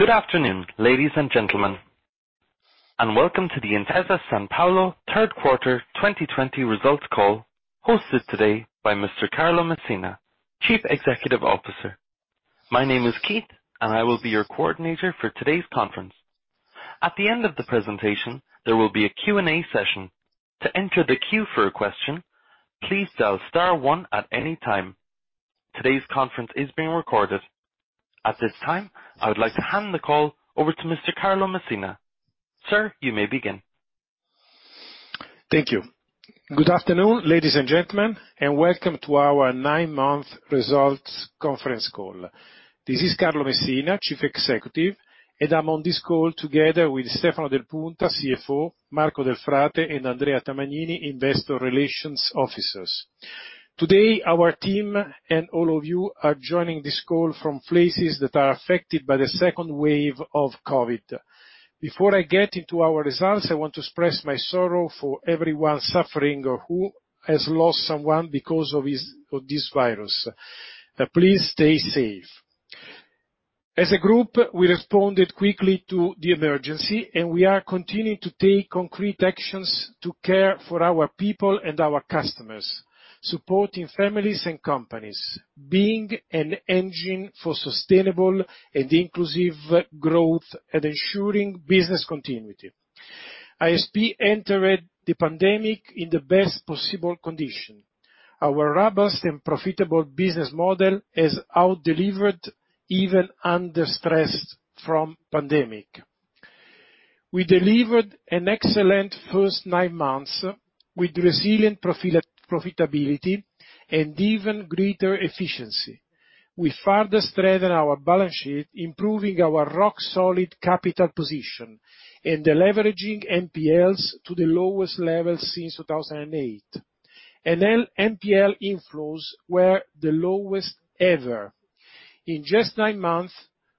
Good afternoon, ladies and gentlemen, and welcome to the Intesa Sanpaolo third quarter 2020 results call, hosted today by Mr. Carlo Messina, Chief Executive Officer. My name is Keith, and I will be your coordinator for today's conference. At the end of the presentation, there will be a Q and A session. To enter the queue for a question, please dial star one at any time. Today's conference is being recorded. At this time, I would like to hand the call over to Mr. Carlo Messina. Sir, you may begin. Thank you. Good afternoon, ladies and gentlemen, and welcome to our nine-month results conference call. This is Carlo Messina, Chief Executive, and I'm on this call together with Stefano Del Punta, CFO, Marco Delfrate, and Andrea Tamagnini, investor relations officers. Today, our team and all of you are joining this call from places that are affected by the second wave of COVID. Before I get into our results, I want to express my sorrow for everyone suffering or who has lost someone because of this virus. Please stay safe. As a group, we responded quickly to the emergency, and we are continuing to take concrete actions to care for our people and our customers, supporting families and companies, being an engine for sustainable and inclusive growth, and ensuring business continuity. ISP entered the pandemic in the best possible condition. Our robust and profitable business model has out-delivered even under stress from pandemic. We delivered an excellent first nine months with resilient profitability and even greater efficiency. We further strengthen our balance sheet, improving our rock-solid capital position, and deleveraging NPLs to the lowest levels since 2008. NPL inflows were the lowest ever. In just nine months,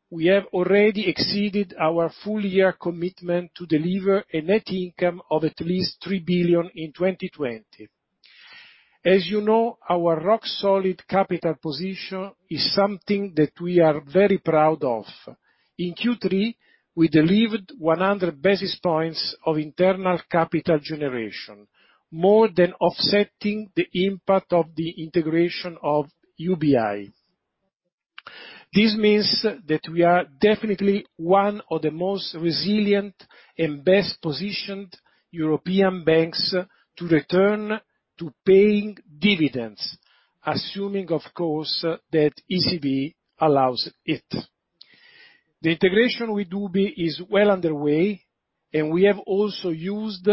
we have already exceeded our full-year commitment to deliver a net income of at least 3 billion in 2020. As you know, our rock-solid capital position is something that we are very proud of. In Q3, we delivered 100 basis points of internal capital generation, more than offsetting the impact of the integration of UBI. This means that we are definitely one of the most resilient and best-positioned European banks to return to paying dividends. Assuming, of course, that ECB allows it. The integration with UBI is well underway. We have also used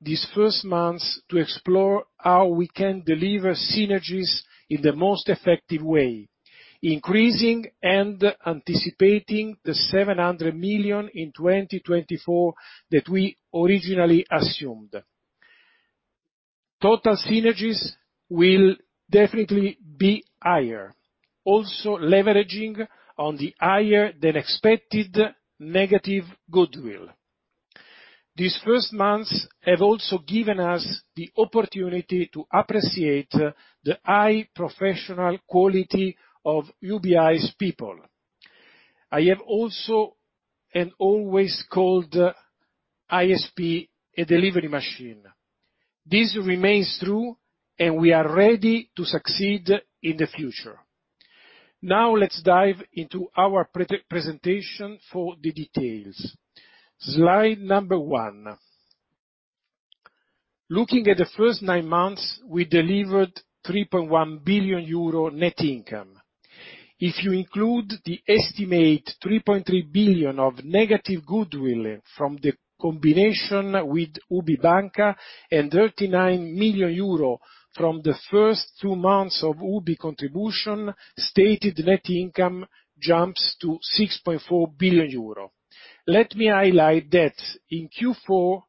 these first months to explore how we can deliver synergies in the most effective way, increasing and anticipating the 700 million in 2024 that we originally assumed. Total synergies will definitely be higher. Leveraging on the higher-than-expected negative goodwill. These first months have also given us the opportunity to appreciate the high professional quality of UBI's people. I have also, and always called ISP a delivery machine. This remains true. We are ready to succeed in the future. Let's dive into our presentation for the details. Slide number one. Looking at the first nine months, we delivered 3.1 billion euro net income. If you include the estimate 3.3 billion of negative goodwill from the combination with UBI Banca and 39 million euro from the first two months of UBI contribution, stated net income jumps to 6.4 billion euro. Let me highlight that in Q4,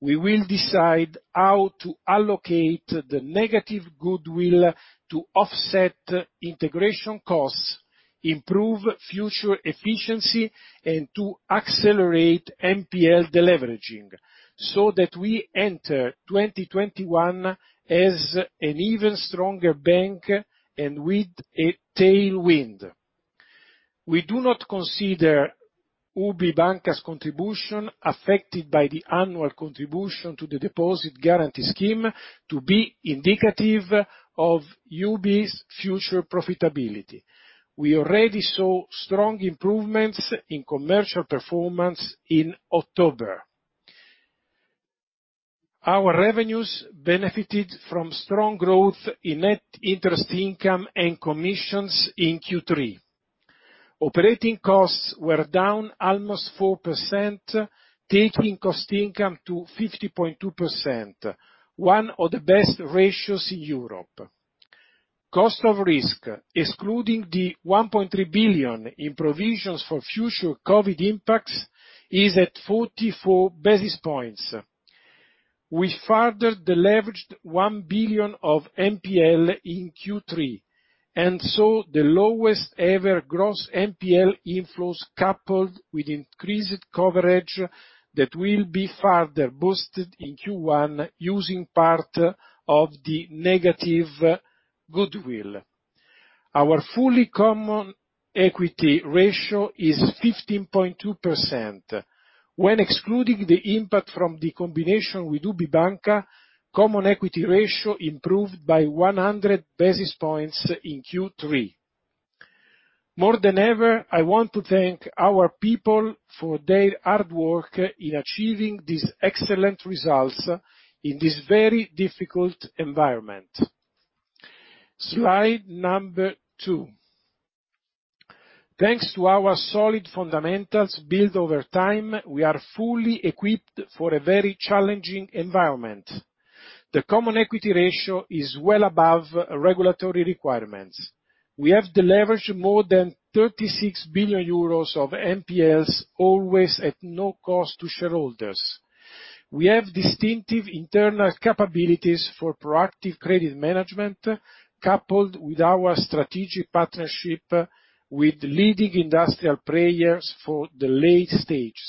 we will decide how to allocate the negative goodwill to offset integration costs, improve future efficiency, and to accelerate NPL deleveraging, so that we enter 2021 as an even stronger bank, and with a tailwind. We do not consider UBI Banca's contribution affected by the annual contribution to the Deposit Guarantee Scheme to be indicative of UBI's future profitability. We already saw strong improvements in commercial performance in October. Our revenues benefited from strong growth in net interest income and commissions in Q3. Operating costs were down almost 4%, taking cost-to-income to 50.2%, one of the best ratios in Europe. Cost of risk, excluding the 1.3 billion in provisions for future COVID impacts, is at 44 basis points. We further deleveraged 1 billion of NPL in Q3. The lowest-ever gross NPL inflows, coupled with increased coverage that will be further boosted in Q1 using part of the negative goodwill. Our fully common equity ratio is 15.2%. When excluding the impact from the combination with UBI Banca, common equity ratio improved by 100 basis points in Q3. More than ever, I want to thank our people for their hard work in achieving these excellent results in this very difficult environment. Slide number two. Thanks to our solid fundamentals built over time, we are fully equipped for a very challenging environment. The common equity ratio is well above regulatory requirements. We have leveraged more than 36 billion euros of NPLs, always at no cost to shareholders. We have distinctive internal capabilities for proactive credit management, coupled with our strategic partnership with leading industrial players for the late stage.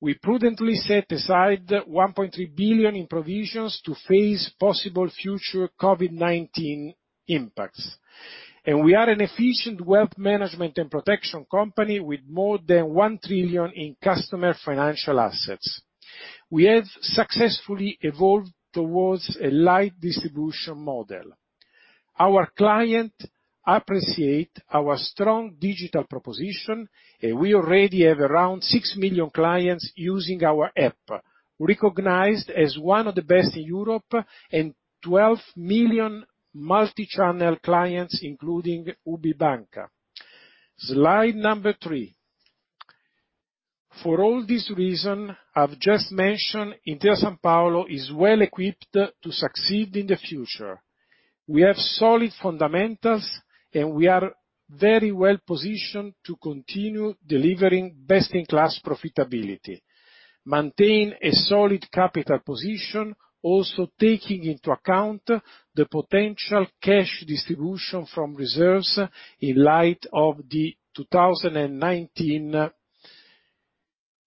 We prudently set aside 1.3 billion in provisions to face possible future COVID-19 impacts. We are an efficient wealth management and protection company with more than 1 trillion in customer financial assets. We have successfully evolved towards a light distribution model. Our client appreciate our strong digital proposition. We already have around six million clients using our app, recognized as one of the best in Europe, and 12 million multi-channel clients, including UBI Banca. Slide number three. For all this reason I've just mentioned, Intesa Sanpaolo is well equipped to succeed in the future. We have solid fundamentals. We are very well-positioned to continue delivering best-in-class profitability, maintain a solid capital position, also taking into account the potential cash distribution from reserves in light of the 2019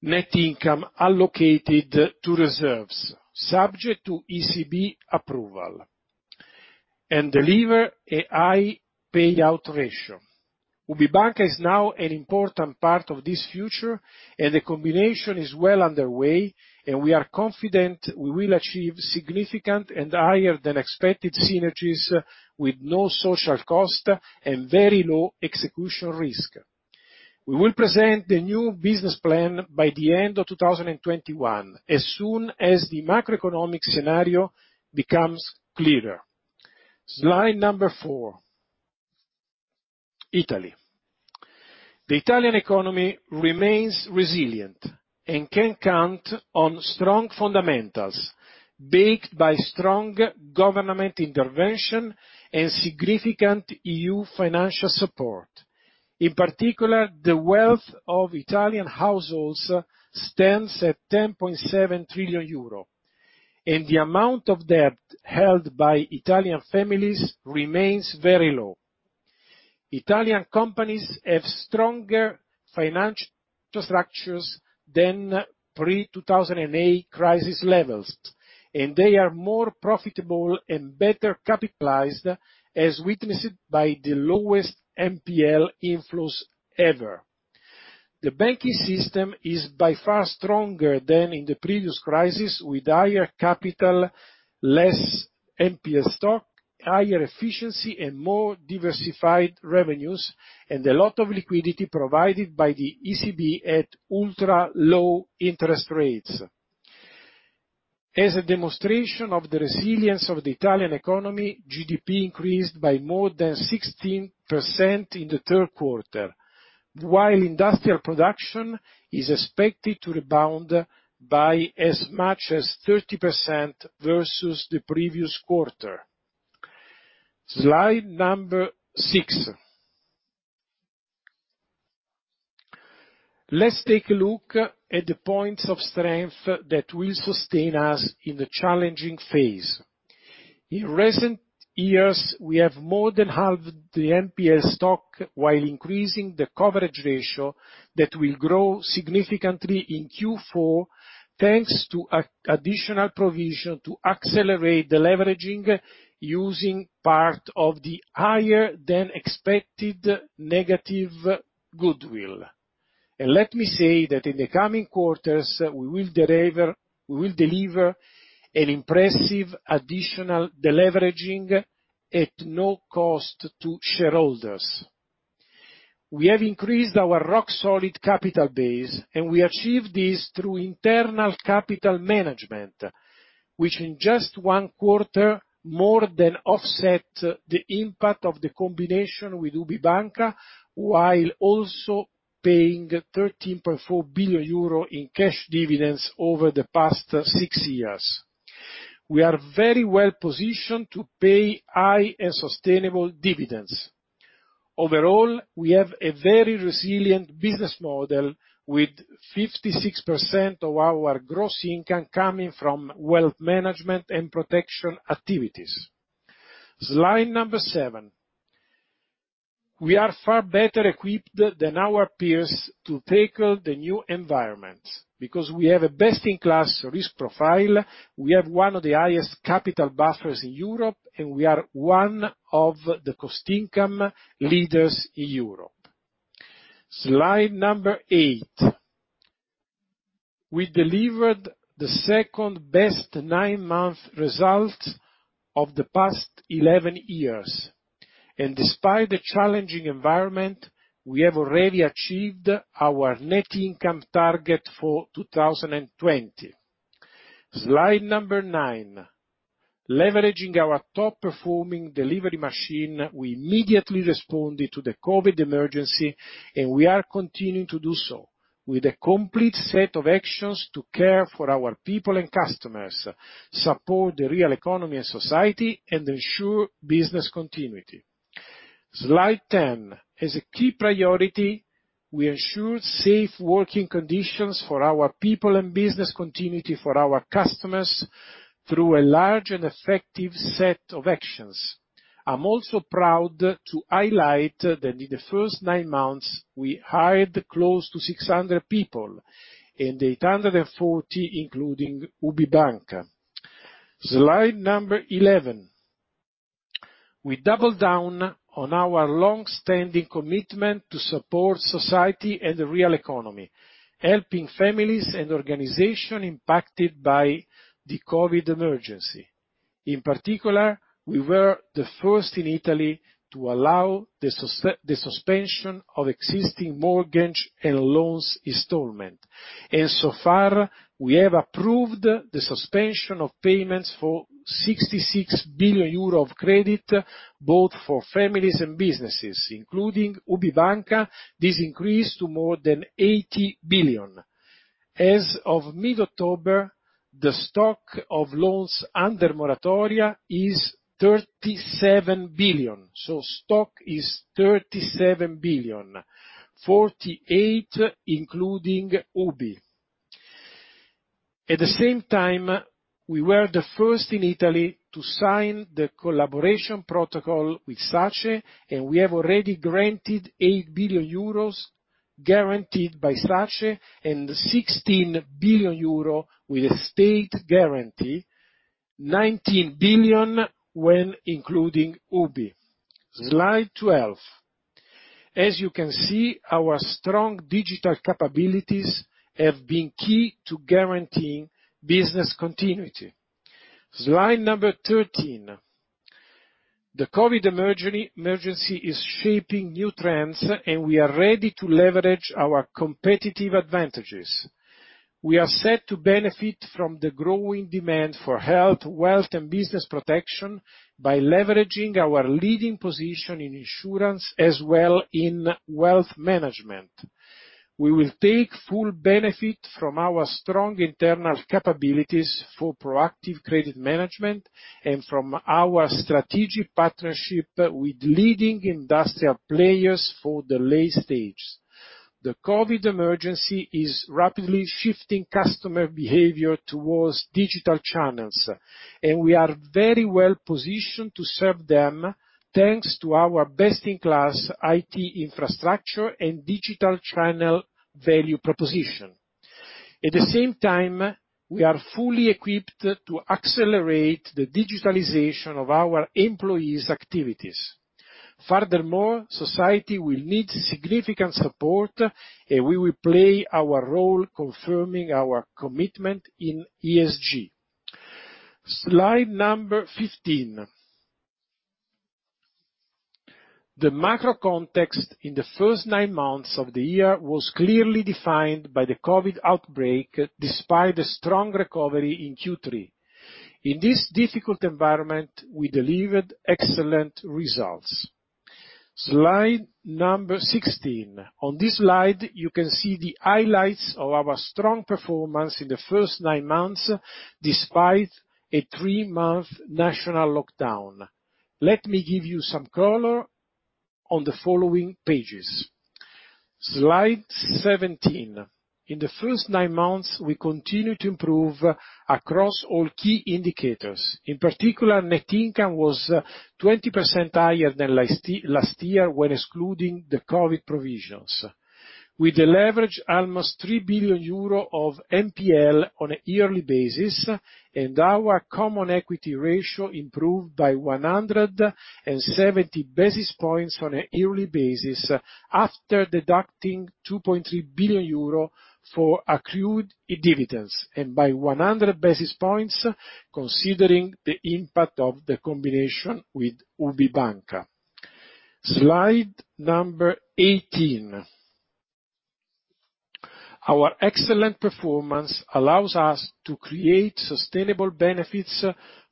net income allocated to reserves, subject to ECB approval, and deliver a high payout ratio. UBI Banca is now an important part of this future. The combination is well underway, and we are confident we will achieve significant and higher-than-expected synergies with no social cost and very low execution risk. We will present the new business plan by the end of 2021 as soon as the macroeconomic scenario becomes clearer. Slide number four, Italy. The Italian economy remains resilient and can count on strong fundamentals backed by strong government intervention and significant EU financial support. In particular, the wealth of Italian households stands at 10.7 trillion euro. The amount of debt held by Italian families remains very low. Italian companies have stronger financial structures than pre-2008 crisis levels. They are more profitable and better capitalized, as witnessed by the lowest NPL inflows ever. The banking system is by far stronger than in the previous crisis, with higher capital, less NPL stock, higher efficiency, and more diversified revenues, and a lot of liquidity provided by the ECB at ultra-low interest rates. As a demonstration of the resilience of the Italian economy, GDP increased by more than 16% in the third quarter, while industrial production is expected to rebound by as much as 30% versus the previous quarter. Slide number six. Let's take a look at the points of strength that will sustain us in the challenging phase. In recent years, we have more than halved the NPL stock while increasing the coverage ratio that will grow significantly in Q4, thanks to additional provision to accelerate deleveraging using part of the higher-than-expected negative goodwill. Let me say that in the coming quarters, we will deliver an impressive additional deleveraging at no cost to shareholders. We have increased our rock-solid capital base. We achieved this through internal capital management, which in just one quarter, more than offset the impact of the combination with UBI Banca, while also paying 13.4 billion euro in cash dividends over the past six years. We are very well-positioned to pay high and sustainable dividends. Overall, we have a very resilient business model with 56% of our gross income coming from Wealth Management & Protection activities. Slide number seven. We are far better equipped than our peers to tackle the new environment because we have a best-in-class risk profile, we have one of the highest capital buffers in Europe, and we are one of the cost-to-income leaders in Europe. Slide number eight. We delivered the second-best nine-month result of the past 11 years. Despite the challenging environment, we have already achieved our net income target for 2020. Slide number nine. Leveraging our top-performing delivery machine, we immediately responded to the COVID emergency, and we are continuing to do so with a complete set of actions to care for our people and customers, support the real economy and society, and ensure business continuity. Slide 10. As a key priority, we ensure safe working conditions for our people and business continuity for our customers through a large and effective set of actions. I'm also proud to highlight that in the first nine months, we hired close to 600 people, and 840, including UBI Banca. Slide number 11. We double down on our longstanding commitment to support society and the real economy, helping families and organizations impacted by the COVID emergency. In particular, we were the first in Italy to allow the suspension of existing mortgage and loans installment. So far, we have approved the suspension of payments for 66 billion euro of credit, both for families and businesses, including UBI Banca. This increased to more than 80 billion. As of mid-October, the stock of loans under moratoria is 37 billion. Stock is 37 billion, 48 billion including UBI. At the same time, we were the first in Italy to sign the collaboration protocol with SACE, and we have already granted 8 billion euros guaranteed by SACE and 16 billion euro with a state guarantee, 19 billion when including UBI. Slide 12. As you can see, our strong digital capabilities have been key to guaranteeing business continuity. Slide number 13. The COVID emergency is shaping new trends, and we are ready to leverage our competitive advantages. We are set to benefit from the growing demand for health, wealth, and business protection by leveraging our leading position in insurance as well in wealth management. We will take full benefit from our strong internal capabilities for proactive credit management and from our strategic partnership with leading industrial players for the late stage. The COVID emergency is rapidly shifting customer behavior towards digital channels, and we are very well positioned to serve them thanks to our best-in-class IT infrastructure and digital channel value proposition. At the same time, we are fully equipped to accelerate the digitalization of our employees' activities. Furthermore, society will need significant support, and we will play our role confirming our commitment in ESG. Slide number 15. The macro context in the first nine months of the year was clearly defined by the COVID outbreak, despite a strong recovery in Q3. In this difficult environment, we delivered excellent results. Slide number 16. On this slide, you can see the highlights of our strong performance in the first nine months, despite a three-month national lockdown. Let me give you some color on the following pages. Slide 17. In the first nine months, we continued to improve across all key indicators. In particular, net income was 20% higher than last year when excluding the COVID provisions. We leveraged almost 3 billion euro of NPL on a yearly basis, and our common equity ratio improved by 170 basis points on a yearly basis after deducting 2.3 billion euro for accrued dividends and by 100 basis points, considering the impact of the combination with UBI Banca. Slide number 18. Our excellent performance allows us to create sustainable benefits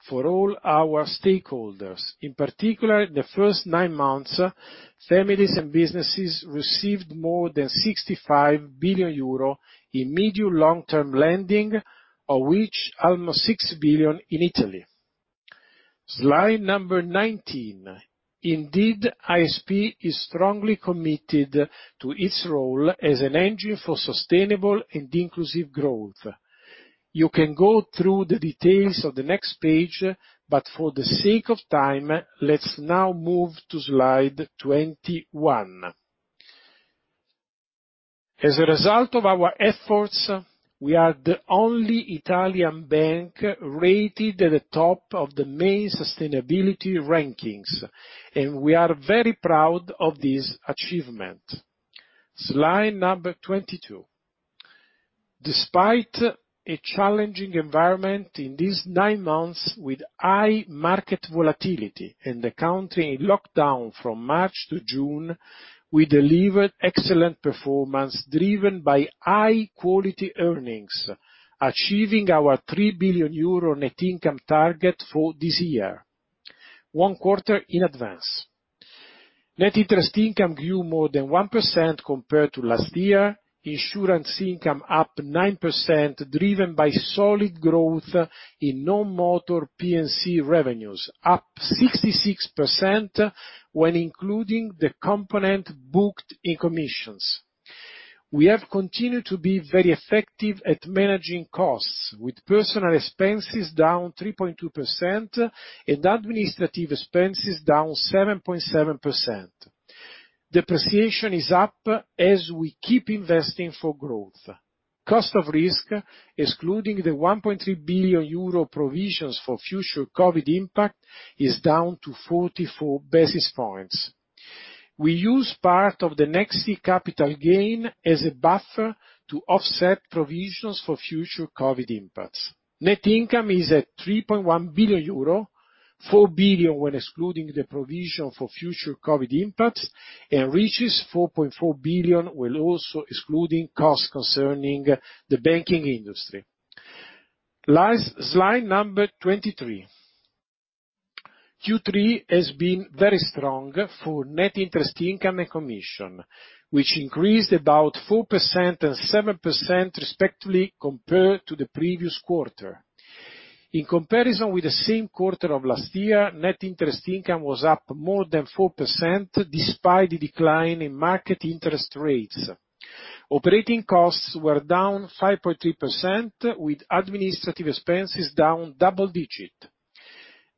for all our stakeholders. In particular, the first nine months, families and businesses received more than 65 billion euro in medium long-term lending, of which almost 6 billion in Italy. Slide number 19. ISP is strongly committed to its role as an engine for sustainable and inclusive growth. You can go through the details on the next page, but for the sake of time, let's now move to slide 21. As a result of our efforts, we are the only Italian bank rated at the top of the main sustainability rankings, and we are very proud of this achievement. Slide number 22. Despite a challenging environment in these nine months with high market volatility and the country in lockdown from March to June, we delivered excellent performance driven by high-quality earnings, achieving our 3 billion euro net income target for this year one quarter in advance. Net interest income grew more than 1% compared to last year. Insurance income up 9%, driven by solid growth in non-motor P&C revenues, up 66% when including the component booked in commissions. We have continued to be very effective at managing costs, with personal expenses down 3.2% and administrative expenses down 7.7%. Depreciation is up as we keep investing for growth. Cost of risk, excluding the 1.3 billion euro provisions for future COVID impact, is down to 44 basis points. We use part of the Nexi capital gain as a buffer to offset provisions for future COVID impacts. Net income is at 3.1 billion euro, 4 billion when excluding the provision for future COVID impacts, reaches 4.4 billion while also excluding costs concerning the banking industry. Slide number 23. Q3 has been very strong for net interest income and commission, which increased about 4% and 7% respectively compared to the previous quarter. In comparison with the same quarter of last year, net interest income was up more than 4%, despite the decline in market interest rates. Operating costs were down 5.3%, with administrative expenses down double digit.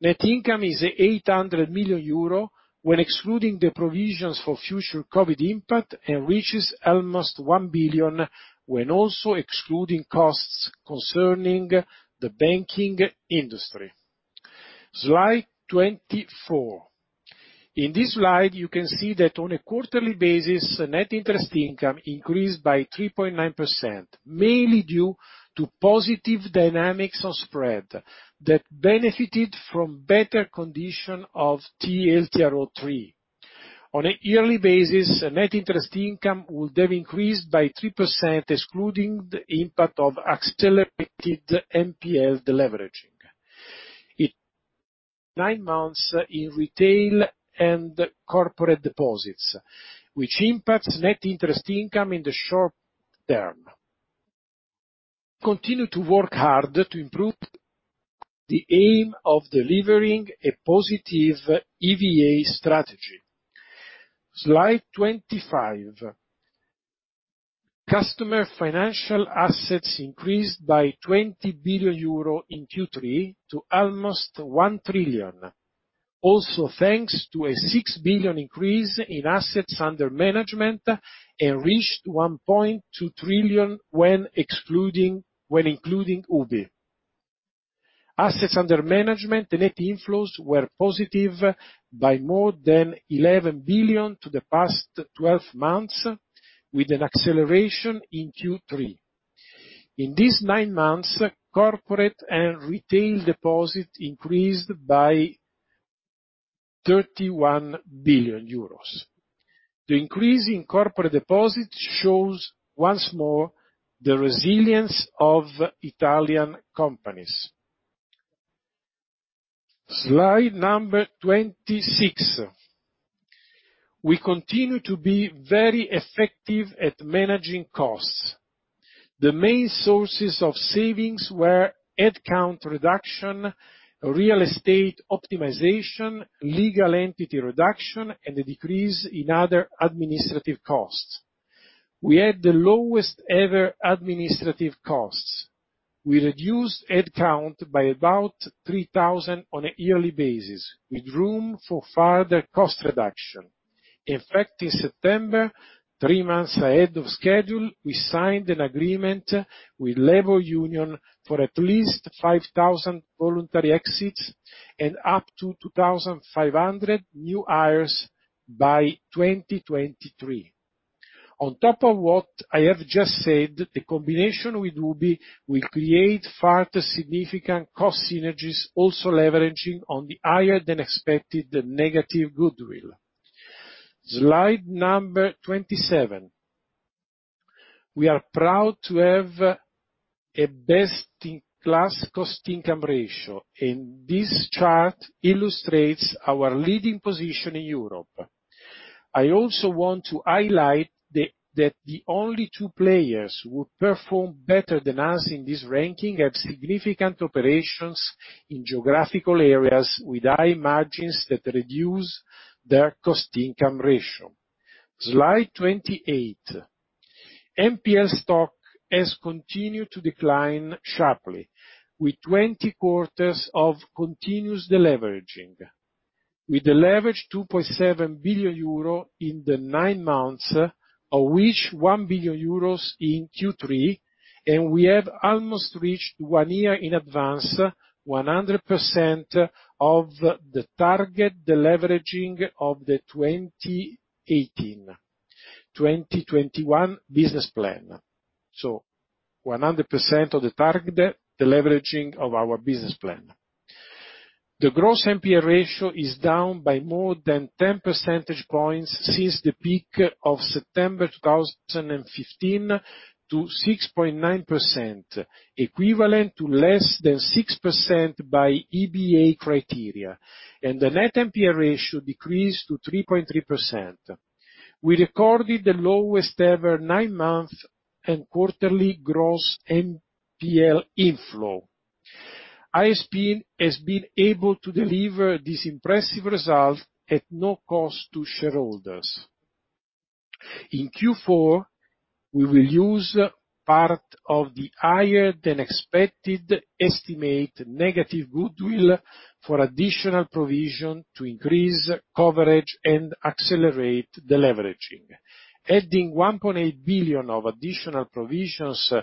Net income is 800 million euro when excluding the provisions for future COVID impact, and reaches almost 1 billion when also excluding costs concerning the banking industry. Slide 24. In this slide, you can see that on a quarterly basis, net interest income increased by 3.9%, mainly due to positive dynamics on spread that benefited from better condition of TLTRO III. On a yearly basis, net interest income would have increased by 3%, excluding the impact of accelerated NPL deleveraging. Nine months in retail and corporate deposits, which impacts net interest income in the short term. Continue to work hard to improve the aim of delivering a positive EVA strategy. Slide 25. Customer financial assets increased by 20 billion euro in Q3 to almost 1 trillion, also thanks to a 6 billion increase in assets under management and reached 1.2 trillion when including UBI. Assets under management and net inflows were positive by more than 11 billion to the past 12 months, with an acceleration in Q3. In these nine months, corporate and retail deposit increased by 31 billion euros. The increase in corporate deposits shows once more the resilience of Italian companies. Slide number 26. We continue to be very effective at managing costs. The main sources of savings were headcount reduction, real estate optimization, legal entity reduction, and a decrease in other administrative costs. We had the lowest ever administrative costs. We reduced head count by about 3,000 on a yearly basis, with room for further cost reduction. In fact, in September, three months ahead of schedule, we signed an agreement with labor union for at least 5,000 voluntary exits and up to 2,500 new hires by 2023. On top of what I have just said, the combination with UBI will create further significant cost synergies, also leveraging on the higher-than-expected negative goodwill. Slide number 27. We are proud to have a best-in-class cost-to-income ratio, and this chart illustrates our leading position in Europe. I also want to highlight that the only two players who perform better than us in this ranking have significant operations in geographical areas with high margins that reduce their cost-to-income ratio. Slide 28. NPL stock has continued to decline sharply, with 20 quarters of continuous deleveraging. We deleveraged 2.7 billion euro in the nine months, of which 1 billion euros in Q3, and we have almost reached, one year in advance, 100% of the target deleveraging of the 2018-2021 business plan. 100% of the target deleveraging of our business plan. The gross NPL ratio is down by more than 10 percentage points since the peak of September 2015 to 6.9%, equivalent to less than 6% by EBA criteria, and the net NPL ratio decreased to 3.3%. We recorded the lowest ever nine-month and quarterly gross NPL inflow. ISP has been able to deliver this impressive result at no cost to shareholders. In Q4, we will use part of the higher than expected estimate negative goodwill for additional provision to increase coverage and accelerate deleveraging. Adding 1.8 billion of additional provisions to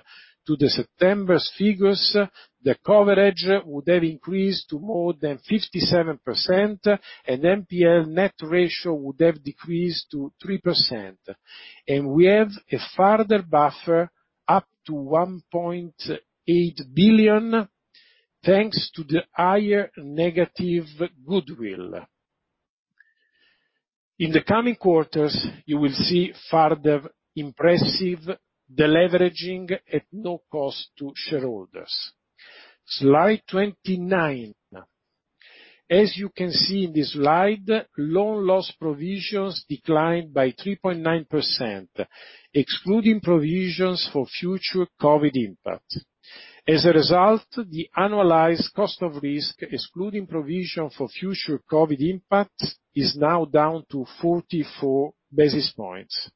the September's figures, the coverage would have increased to more than 57%, and NPL net ratio would have decreased to 3%. We have a further buffer up to 1.8 billion, thanks to the higher negative goodwill. In the coming quarters, you will see further impressive deleveraging at no cost to shareholders. Slide 29. As you can see in this slide, loan loss provisions declined by 3.9%, excluding provisions for future COVID impact. As a result, the annualized cost of risk, excluding provision for future COVID impact, is now down to 44 basis points.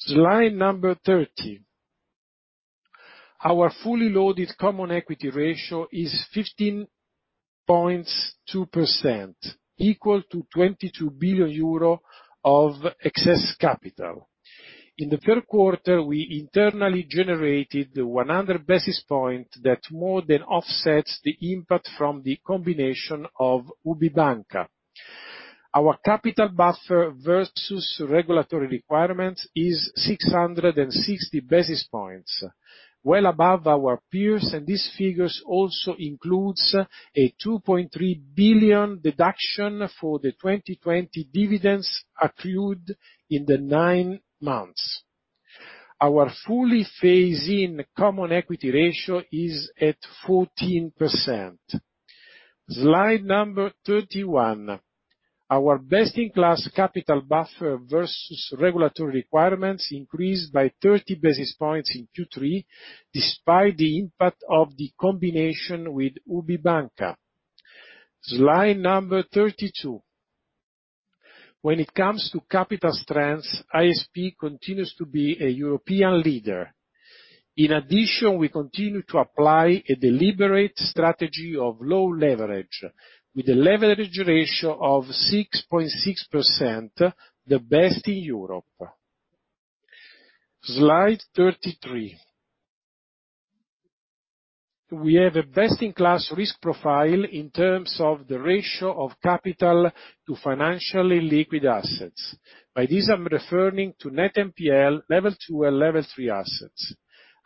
Slide number 30. Our fully loaded common equity ratio is 15.2%, equal to 22 billion euro of excess capital. In the third quarter, we internally generated 100 basis points that more than offsets the impact from the combination of UBI Banca. Our capital buffer versus regulatory requirement is 660 basis points, well above our peers, and this figure also includes a 2.3 billion deduction for the 2020 dividends accrued in the nine months. Our fully phase-in common equity ratio is at 14%. Slide number 31. Our best-in-class capital buffer versus regulatory requirements increased by 30 basis points in Q3, despite the impact of the combination with UBI Banca. Slide number 32. When it comes to capital strength, ISP continues to be a European leader. We continue to apply a deliberate strategy of low leverage with a leverage ratio of 6.6%, the best in Europe. Slide 33. We have a best-in-class risk profile in terms of the ratio of capital to financially liquid assets. By this, I'm referring to net NPL Level 2 and Level 3 assets.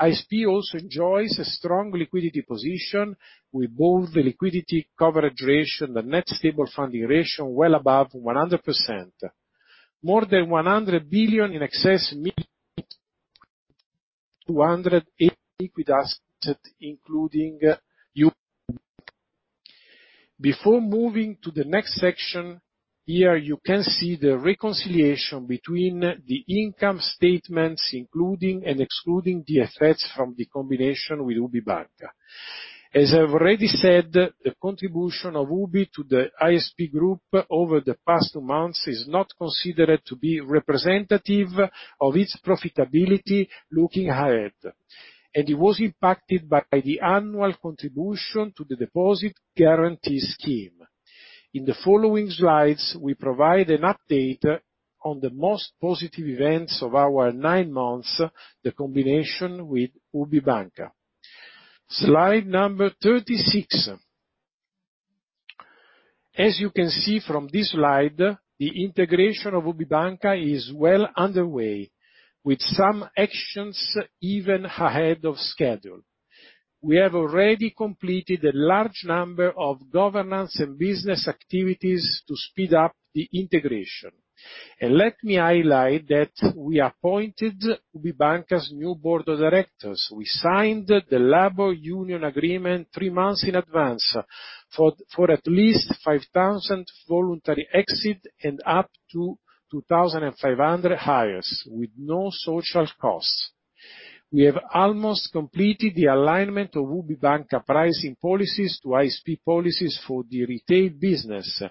ISP also enjoys a strong liquidity position with both the liquidity coverage ratio and the net stable funding ratio well above 100%. More than 100 billion in excess with 280 billion liquid assets, including UB. Before moving to the next section, here you can see the reconciliation between the income statements, including and excluding the effects from the combination with UBI Banca. As I've already said, the contribution of UBI to the ISP group over the past months is not considered to be representative of its profitability looking ahead, and it was impacted by the annual contribution to the Deposit Guarantee Scheme. In the following slides, we provide an update on the most positive events of our nine months, the combination with UBI Banca. Slide number 36. As you can see from this slide, the integration of UBI Banca is well underway, with some actions even ahead of schedule. We have already completed a large number of governance and business activities to speed up the integration. Let me highlight that we appointed UBI Banca's new board of directors. We signed the labor union agreement three months in advance for at least 5,000 voluntary exit and up to 2,500 hires with no social costs. We have almost completed the alignment of UBI Banca pricing policies to ISP policies for the retail business,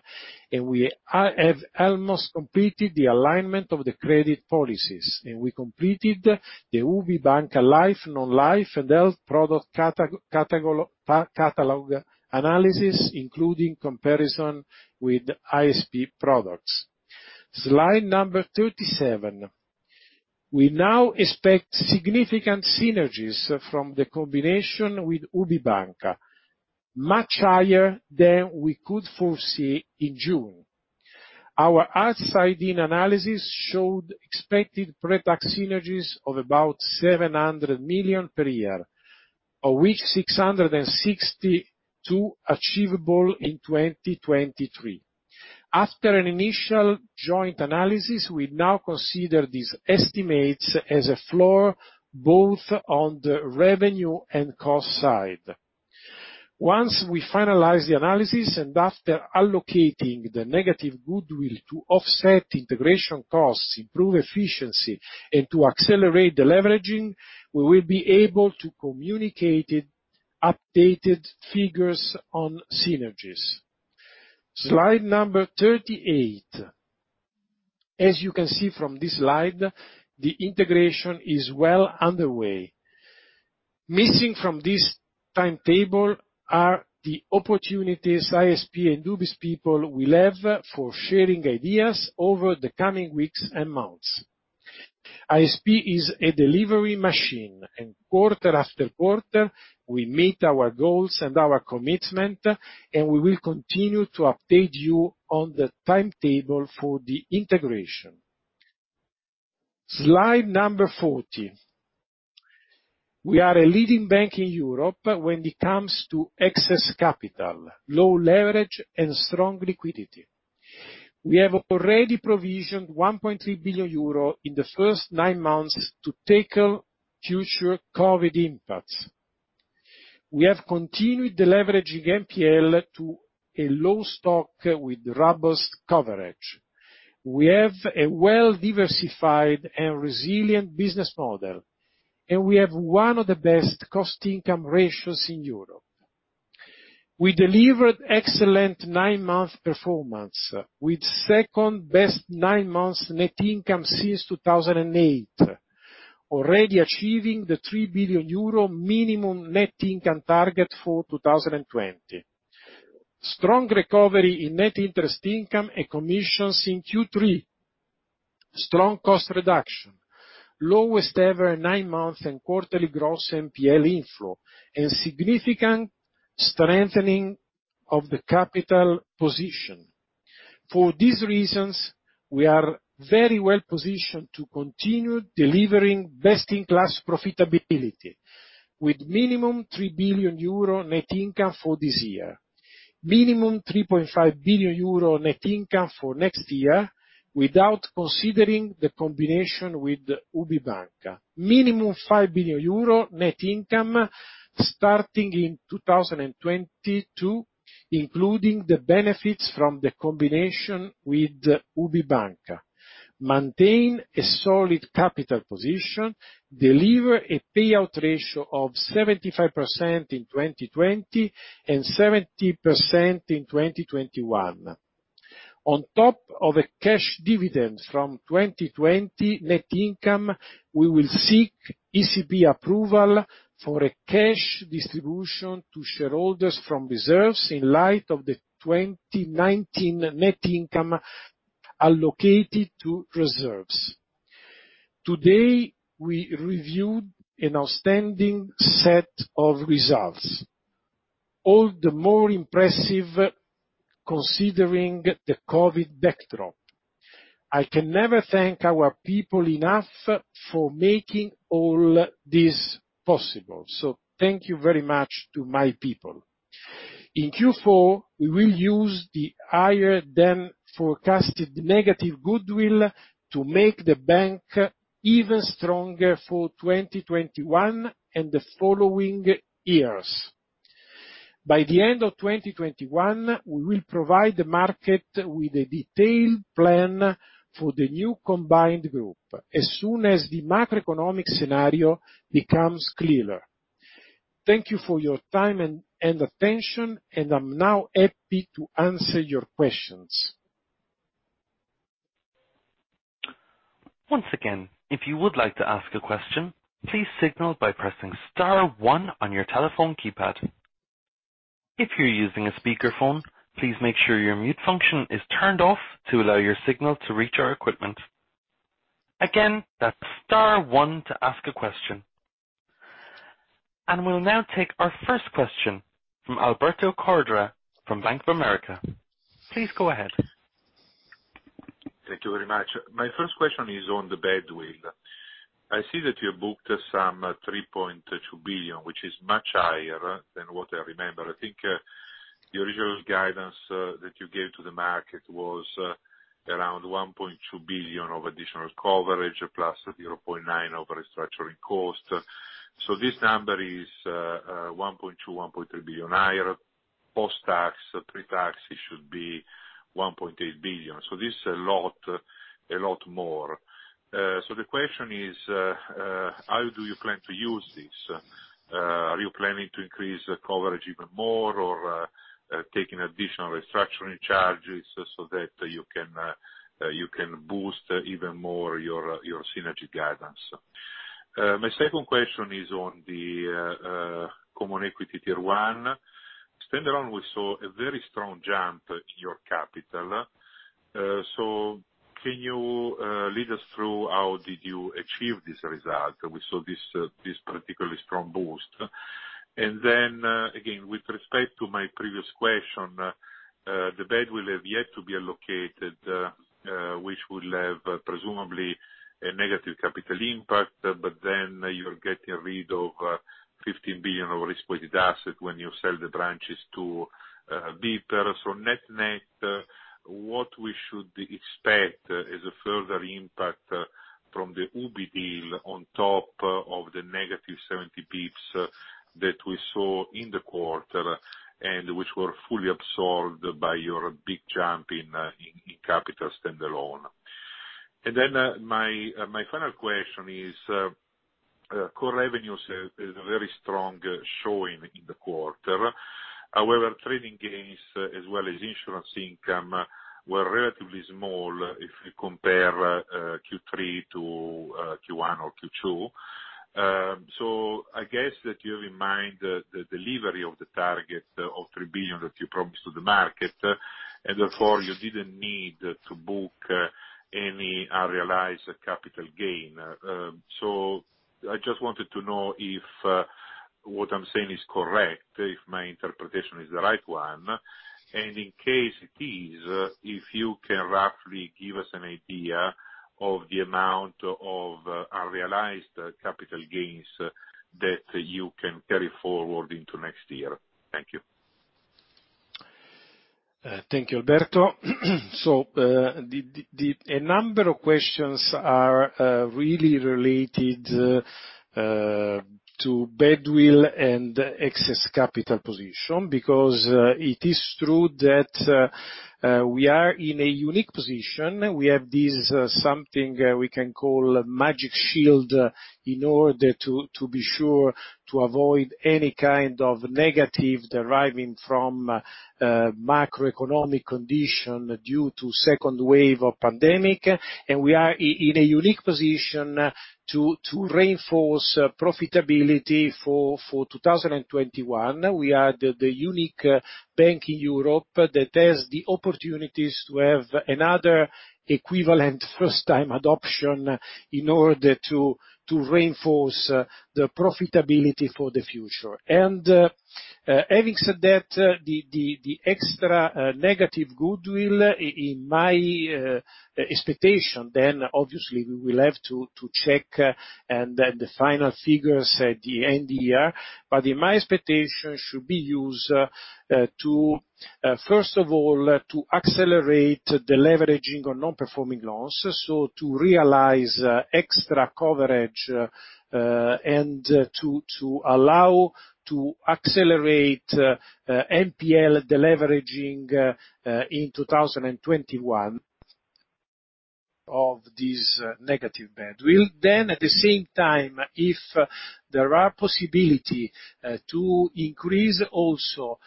and we have almost completed the alignment of the credit policies, and we completed the UBI Banca life, non-life, and health product catalog analysis, including comparison with ISP products. Slide number 37. We now expect significant synergies from the combination with UBI Banca, much higher than we could foresee in June. Our outside-in analysis showed expected pre-tax synergies of about 700 million per year, of which 662 achievable in 2023. After an initial joint analysis, we now consider these estimates as a floor, both on the revenue and cost side. Once we finalize the analysis, and after allocating the negative goodwill to offset integration costs, improve efficiency, and to accelerate deleveraging, we will be able to communicate updated figures on synergies. Slide number 38. As you can see from this slide, the integration is well underway. Missing from this timetable are the opportunities ISP and UBI's people will have for sharing ideas over the coming weeks and months. ISP is a delivery machine. Quarter-after-quarter, we meet our goals and our commitment. We will continue to update you on the timetable for the integration. Slide number 40. We are a leading bank in Europe when it comes to excess capital, low leverage, and strong liquidity. We have already provisioned 1.3 billion euro in the first nine months to tackle future COVID impacts. We have continued deleveraging NPL to a low stock with robust coverage. We have a well-diversified and resilient business model, and we have one of the best cost-to-income ratios in Europe. We delivered excellent nine-month performance, with second-best nine months net income since 2008, already achieving the 3 billion euro minimum net income target for 2020. Strong recovery in net interest income and commissions in Q3, strong cost reduction, lowest ever nine-month and quarterly gross NPL inflow, and significant strengthening of the capital position. For these reasons, we are very well-positioned to continue delivering best-in-class profitability with minimum 3 billion euro net income for this year, minimum 3.5 billion euro net income for next year without considering the combination with UBI Banca, minimum 5 billion euro net income starting in 2022, including the benefits from the combination with UBI Banca, maintain a solid capital position, deliver a payout ratio of 75% in 2020, and 70% in 2021. On top of a cash dividend from 2020 net income, we will seek ECB approval for a cash distribution to shareholders from reserves in light of the 2019 net income allocated to reserves. Today, we reviewed an outstanding set of results, all the more impressive considering the COVID backdrop. I can never thank our people enough for making all this possible. Thank you very much to my people. In Q4, we will use the higher-than-forecasted negative goodwill to make the bank even stronger for 2021 and the following years. By the end of 2021, we will provide the market with a detailed plan for the new combined group as soon as the macroeconomic scenario becomes clearer. Thank you for your time and attention, and I am now happy to answer your questions. Once again, if you would like to ask a question, please signal by pressing star one on your telephone keypad. If you're using a speakerphone, please make sure your mute function is turned off to allow your signal to reach our equipment. Again, that's star one to ask a question. We'll now take our first question from Alberto Cordara from Bank of America. Please go ahead. Thank you very much. My first question is on the badwill. I see that you booked some 3.2 billion, which is much higher than what I remember. I think your original guidance that you gave to the market was around 1.2 billion of additional coverage, plus 0.9 billion of restructuring costs. This number is 1.2 billion, 1.3 billion higher post-tax. Pre-tax, it should be 1.8 billion. This is a lot more. The question is, how do you plan to use this? Are you planning to increase coverage even more or take additional restructuring charges so that you can boost even more your synergy guidance? My second question is on the Common Equity Tier 1. Standalone, we saw a very strong jump in your capital. Can you lead us through how did you achieve this result? We saw this particularly strong boost. Again, with respect to my previous question, the badwill have yet to be allocated, which will have presumably a negative capital impact, but then you're getting rid of 15 billion of risk-weighted asset when you sell the branches to BPER. Net-net, what we should expect is a further impact from the UBI deal on top of the -70 basis points that we saw in the quarter, and which were fully absorbed by your big jump in capital standalone. My final question is, core revenues is very strong showing in the quarter. However, trading gains as well as insurance income were relatively small if you compare Q3 to Q1 or Q2. I guess that you have in mind the delivery of the target of 3 billion that you promised to the market, and therefore you didn't need to book any realized capital gain. I just wanted to know if what I'm saying is correct, if my interpretation is the right one. In case it is, if you can roughly give us an idea of the amount of realized capital gains that you can carry forward into next year. Thank you. Thank you, Alberto. A number of questions are really related to badwill and excess capital position, because it is true that we are in a unique position. We have this something we can call magic shield in order to be sure to avoid any kind of negative deriving from macroeconomic condition due to second wave of pandemic. We are in a unique position to reinforce profitability for 2021. We are the unique bank in Europe that has the opportunities to have another equivalent First-time Adoption in order to reinforce the profitability for the future. Having said that, the extra negative goodwill, in my expectation, then obviously we will have to check and the final figures at the end year, but in my expectation should be used, first of all, to accelerate the leveraging on non-performing loans, to realize extra coverage, and to allow to accelerate NPL deleveraging in 2021 of this negative badwill. At the same time, if there are possibility to increase also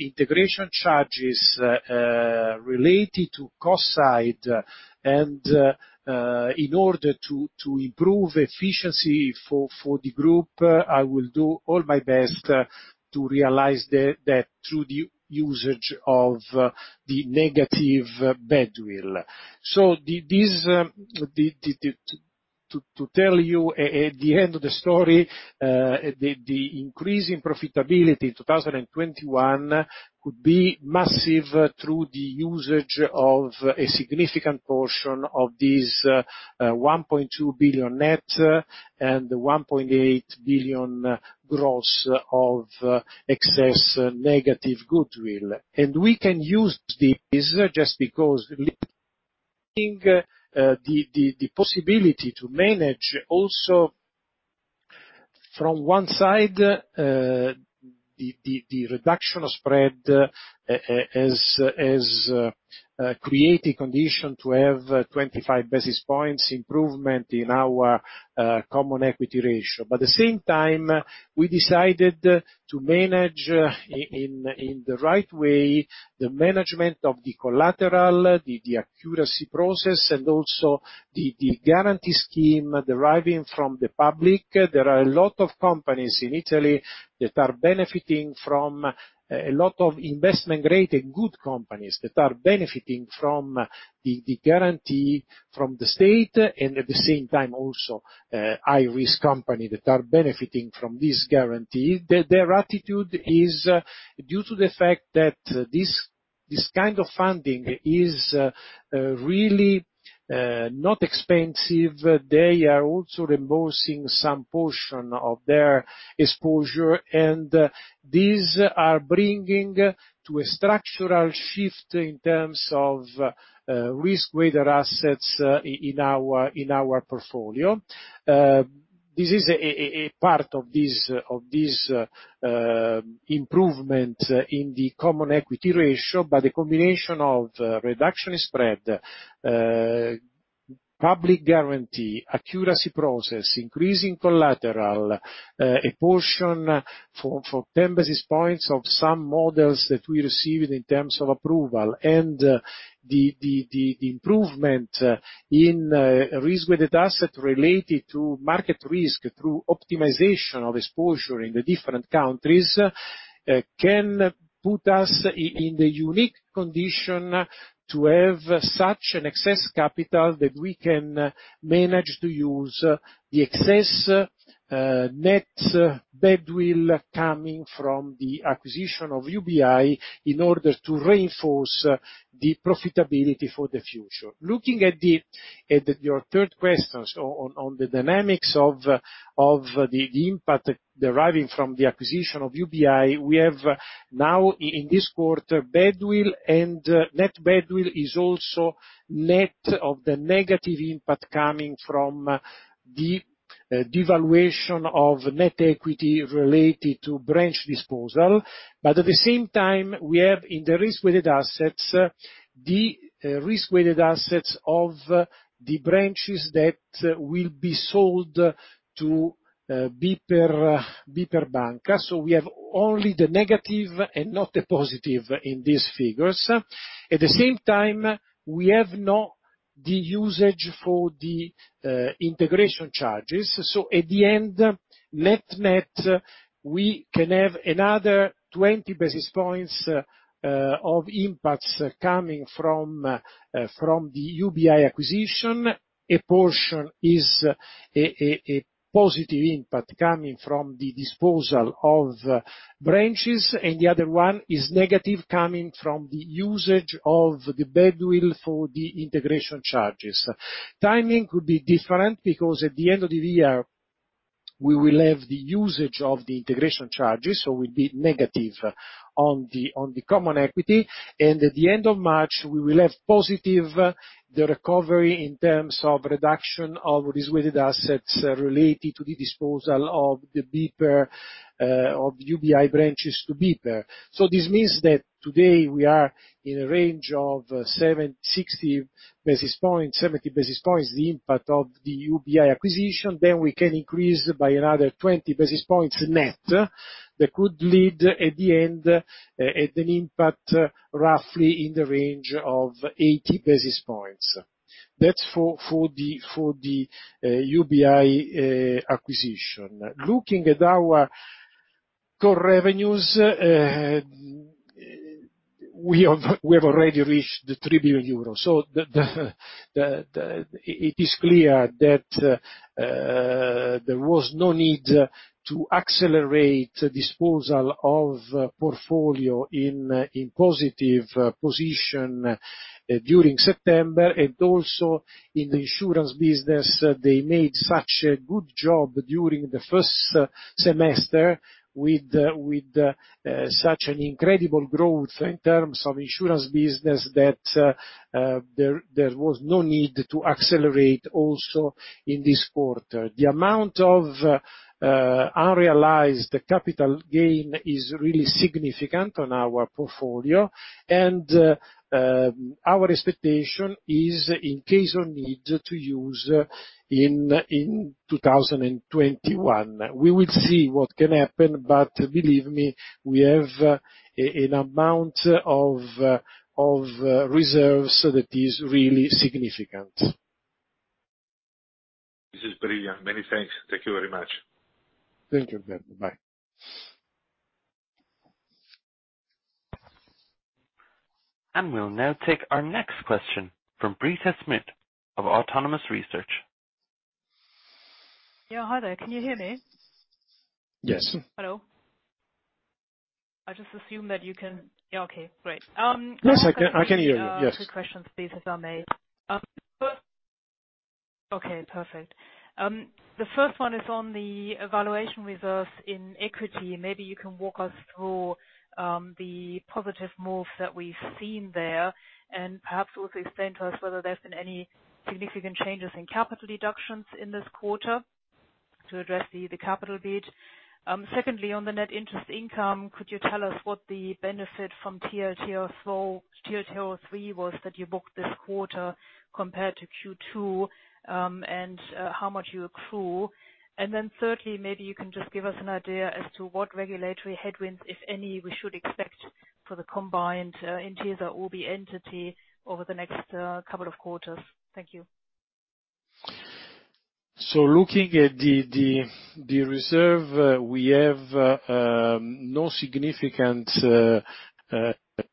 integration charges related to cost side and in order to improve efficiency for the group, I will do all my best to realize that through the usage of the negative badwill. To tell you at the end of the story, the increase in profitability in 2021 could be massive through the usage of a significant portion of this 1.2 billion net and 1.8 billion gross of excess negative goodwill. We can use this just because the possibility to manage also from one side, the reduction of spread has created condition to have 25 basis points improvement in our common equity ratio. At the same time, we decided to manage in the right way the management of the collateral, the accuracy process, and also the guarantee scheme deriving from the public. There are a lot of companies in Italy that are benefiting from a lot of investment grade A good companies that are benefiting from the guarantee from the state, and at the same time also high-risk company that are benefiting from this guarantee. Their attitude is due to the fact that this kind of funding is really not expensive. They are also reimbursing some portion of their exposure, and these are bringing to a structural shift in terms of risk-weighted assets in our portfolio. This is a part of this improvement in the common equity ratio, the combination of reduction spread, public guarantee, accretion process, increasing collateral, a portion for 10 basis points of some models that we received in terms of approval, and the improvement in risk-weighted asset related to market risk through optimization of exposure in the different countries can put us in the unique condition to have such an excess capital that we can manage to use the excess net badwill coming from the acquisition of UBI in order to reinforce the profitability for the future. Looking at your third question on the dynamics of the impact deriving from the acquisition of UBI, we have now in this quarter, badwill and net badwill is also net of the negative impact coming from the devaluation of net equity related to branch disposal. At the same time, we have in the risk-weighted assets, the risk-weighted assets of the branches that will be sold to BPER Banca. We have only the negative and not the positive in these figures. At the same time, we have not the usage for the integration charges. At the end, net-net, we can have another 20 basis points of impacts coming from the UBI acquisition. A portion is a positive impact coming from the disposal of branches, and the other one is negative, coming from the usage of the badwill for the integration charges. Timing could be different because at the end of the year, we will have the usage of the integration charges, so will be negative on the common equity. At the end of March, we will have positive the recovery in terms of reduction of risk-weighted assets related to the disposal of UBI branches to BPER. This means that today we are in a range of 60 basis points, 70 basis points, the impact of the UBI acquisition. We can increase by another 20 basis points net that could lead at the end at an impact roughly in the range of 80 basis points. That's for the UBI acquisition. Looking at our core revenues, we have already reached the 3 billion euros. It is clear that there was no need to accelerate disposal of portfolio in positive position during September, and also in the insurance business, they made such a good job during the first semester with such an incredible growth in terms of insurance business that there was no need to accelerate also in this quarter. The amount of unrealized capital gain is really significant on our portfolio, and our expectation is in case of need to use in 2021. We will see what can happen, believe me, we have an amount of reserves that is really significant. This is brilliant. Many thanks. Thank you very much. Thank you. Bye. We'll now take our next question from Britta Schmidt of Autonomous Research. Yeah. Hi there. Can you hear me? Yes. Hello? I just assume that you can. Yeah. Okay, great. Yes, I can hear you. Yes. Two questions, please, if I may. Okay, perfect. The first one is on the evaluation reserves in equity. Maybe you can walk us through the positive moves that we've seen there, and perhaps also explain to us whether there's been any significant changes in capital deductions in this quarter to address the capital bid. On the net interest income, could you tell us what the benefit from TLTRO III was that you booked this quarter compared to Q2, and how much you accrue? Thirdly, maybe you can just give us an idea as to what regulatory headwinds, if any, we should expect for the combined entities or UBI entity over the next couple of quarters. Looking at the reserve, we have no significant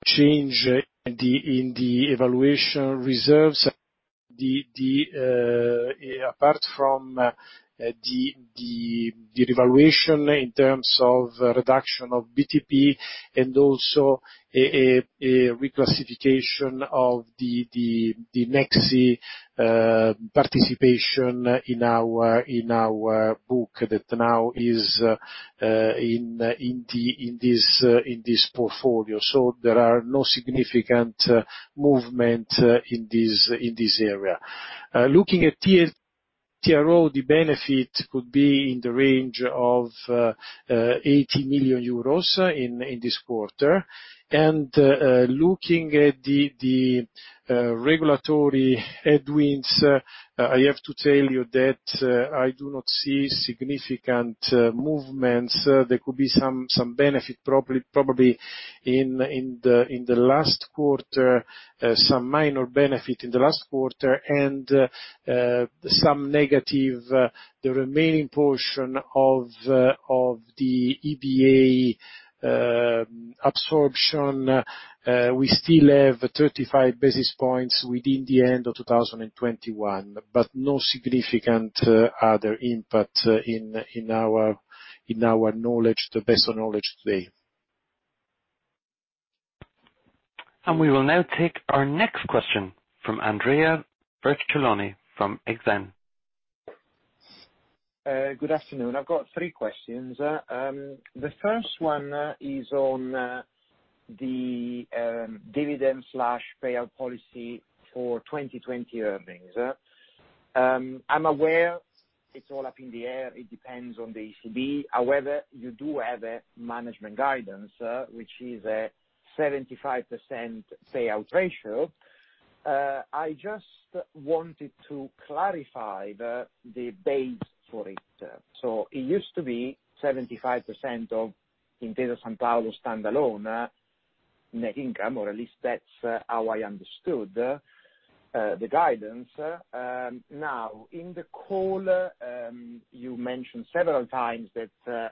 change in the evaluation reserves apart from the revaluation in terms of reduction of BTP and also a reclassification of the Nexi participation in our book that now is in this portfolio. There are no significant movement in this area. Looking at TLTRO, the benefit could be in the range of 80 million euros in this quarter. Looking at the regulatory headwinds, I have to tell you that I do not see significant movements. There could be some benefit probably in the last quarter, some minor benefit in the last quarter, and some negative, the remaining portion of the EBA absorption. We still have 35 basis points within the end of 2021, but no significant other input in our best knowledge today. We will now take our next question from Andrea Vercellone from Exane. Good afternoon. I've got three questions. The first one is on the dividend/payout policy for 2020 earnings. I'm aware it's all up in the air, it depends on the ECB. You do have a management guidance, which is a 75% payout ratio. I just wanted to clarify the base for it. It used to be 75% of Intesa Sanpaolo standalone net income, or at least that's how I understood the guidance. In the call, you mentioned several times that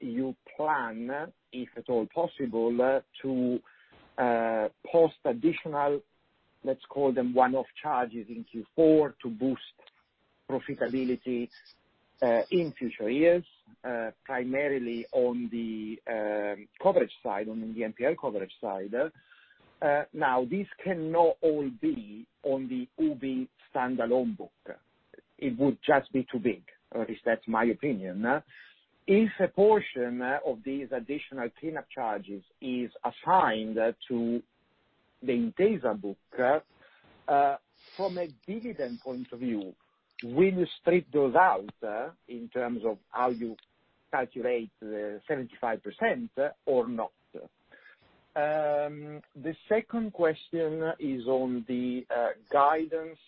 you plan, if at all possible, to post additional, let's call them one-off charges in Q4 to boost profitability in future years, primarily on the NPL coverage side. This cannot all be on the UBI standalone book. It would just be too big, or at least that's my opinion. If a portion of these additional cleanup charges is assigned to the Intesa book, from a dividend point of view, will you strip those out in terms of how you calculate the 75% or not? The second question is on the guidance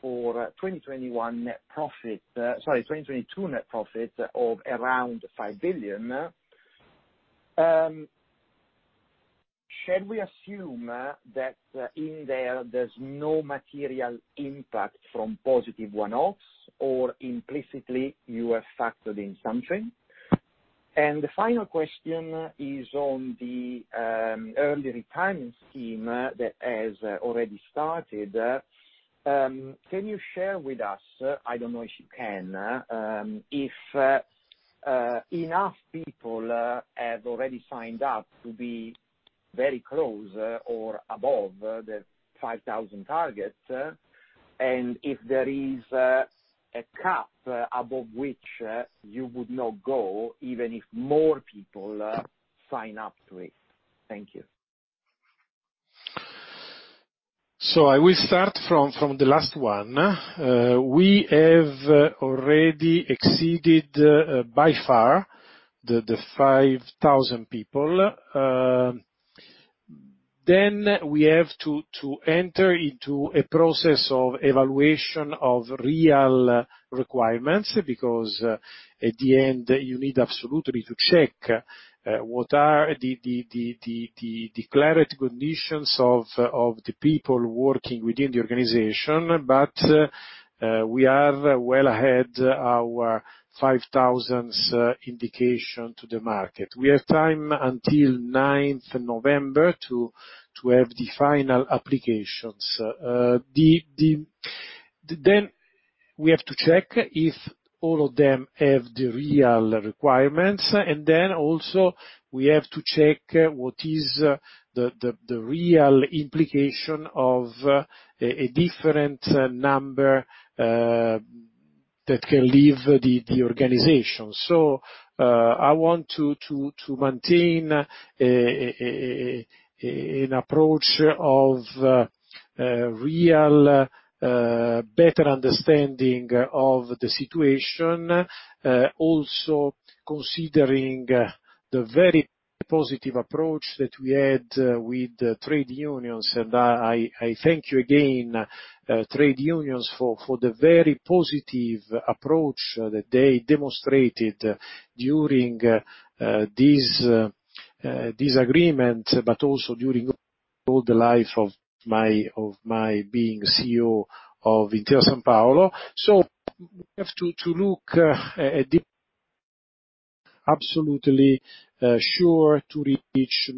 for 2021 net profit, sorry, 2022 net profit of around 5 billion. Should we assume that in there's no material impact from positive one-offs or implicitly you have factored in something? The final question is on the early retirement scheme that has already started. Can you share with us, I don't know if you can, if enough people have already signed up to be very close or above the 5,000 target? If there is a cap above which you would not go, even if more people sign up to it. Thank you. I will start from the last one. We have already exceeded by far the 5,000 people. We have to enter into a process of evaluation of real requirements, because at the end, you need absolutely to check what are the declared conditions of the people working within the organization. We are well ahead our 5,000 indication to the market. We have time until 9th November to have the final applications. We have to check if all of them have the real requirements, and then also we have to check what is the real implication of a different number that can leave the organization. I want to maintain an approach of a real better understanding of the situation. Also considering the very positive approach that we had with trade unions. I thank you again, trade unions, for the very positive approach that they demonstrated during this agreement, but also during all the life of my being CEO of Intesa Sanpaolo. We have to look at it absolutely sure to reach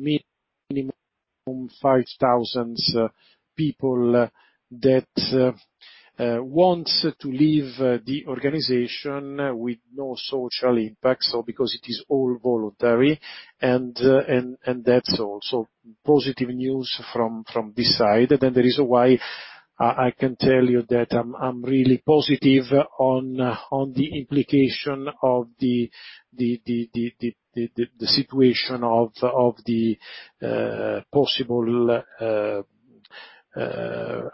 minimum 5,000 people that want to leave the organization with no social impact, because it is all voluntary, and that's also positive news from this side. The reason why I can tell you that I'm really positive on the implication of the situation of the possible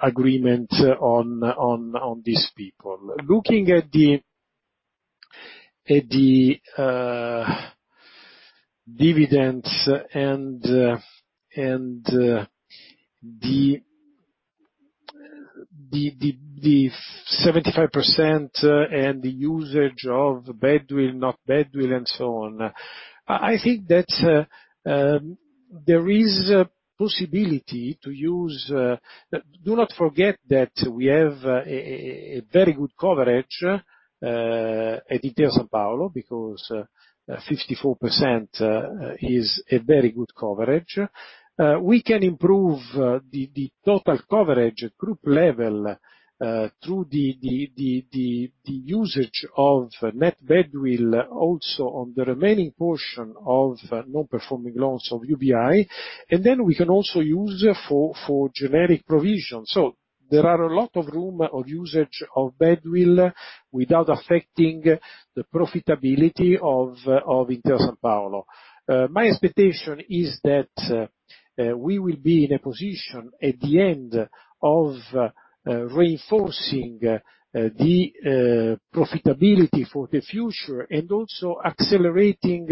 agreement on these people. Looking at the dividends and the 75% and the usage of badwill, not badwill, and so on. I think that there is a possibility to use. Do not forget that we have a very good coverage at Intesa Sanpaolo, because 54% is a very good coverage. We can improve the total coverage at group level through the usage of net badwill, also on the remaining portion of non-performing loans of UBI. We can also use for generic provision. There are a lot of room of usage of badwill without affecting the profitability of Intesa Sanpaolo. My expectation is that we will be in a position at the end of reinforcing the profitability for the future and also accelerating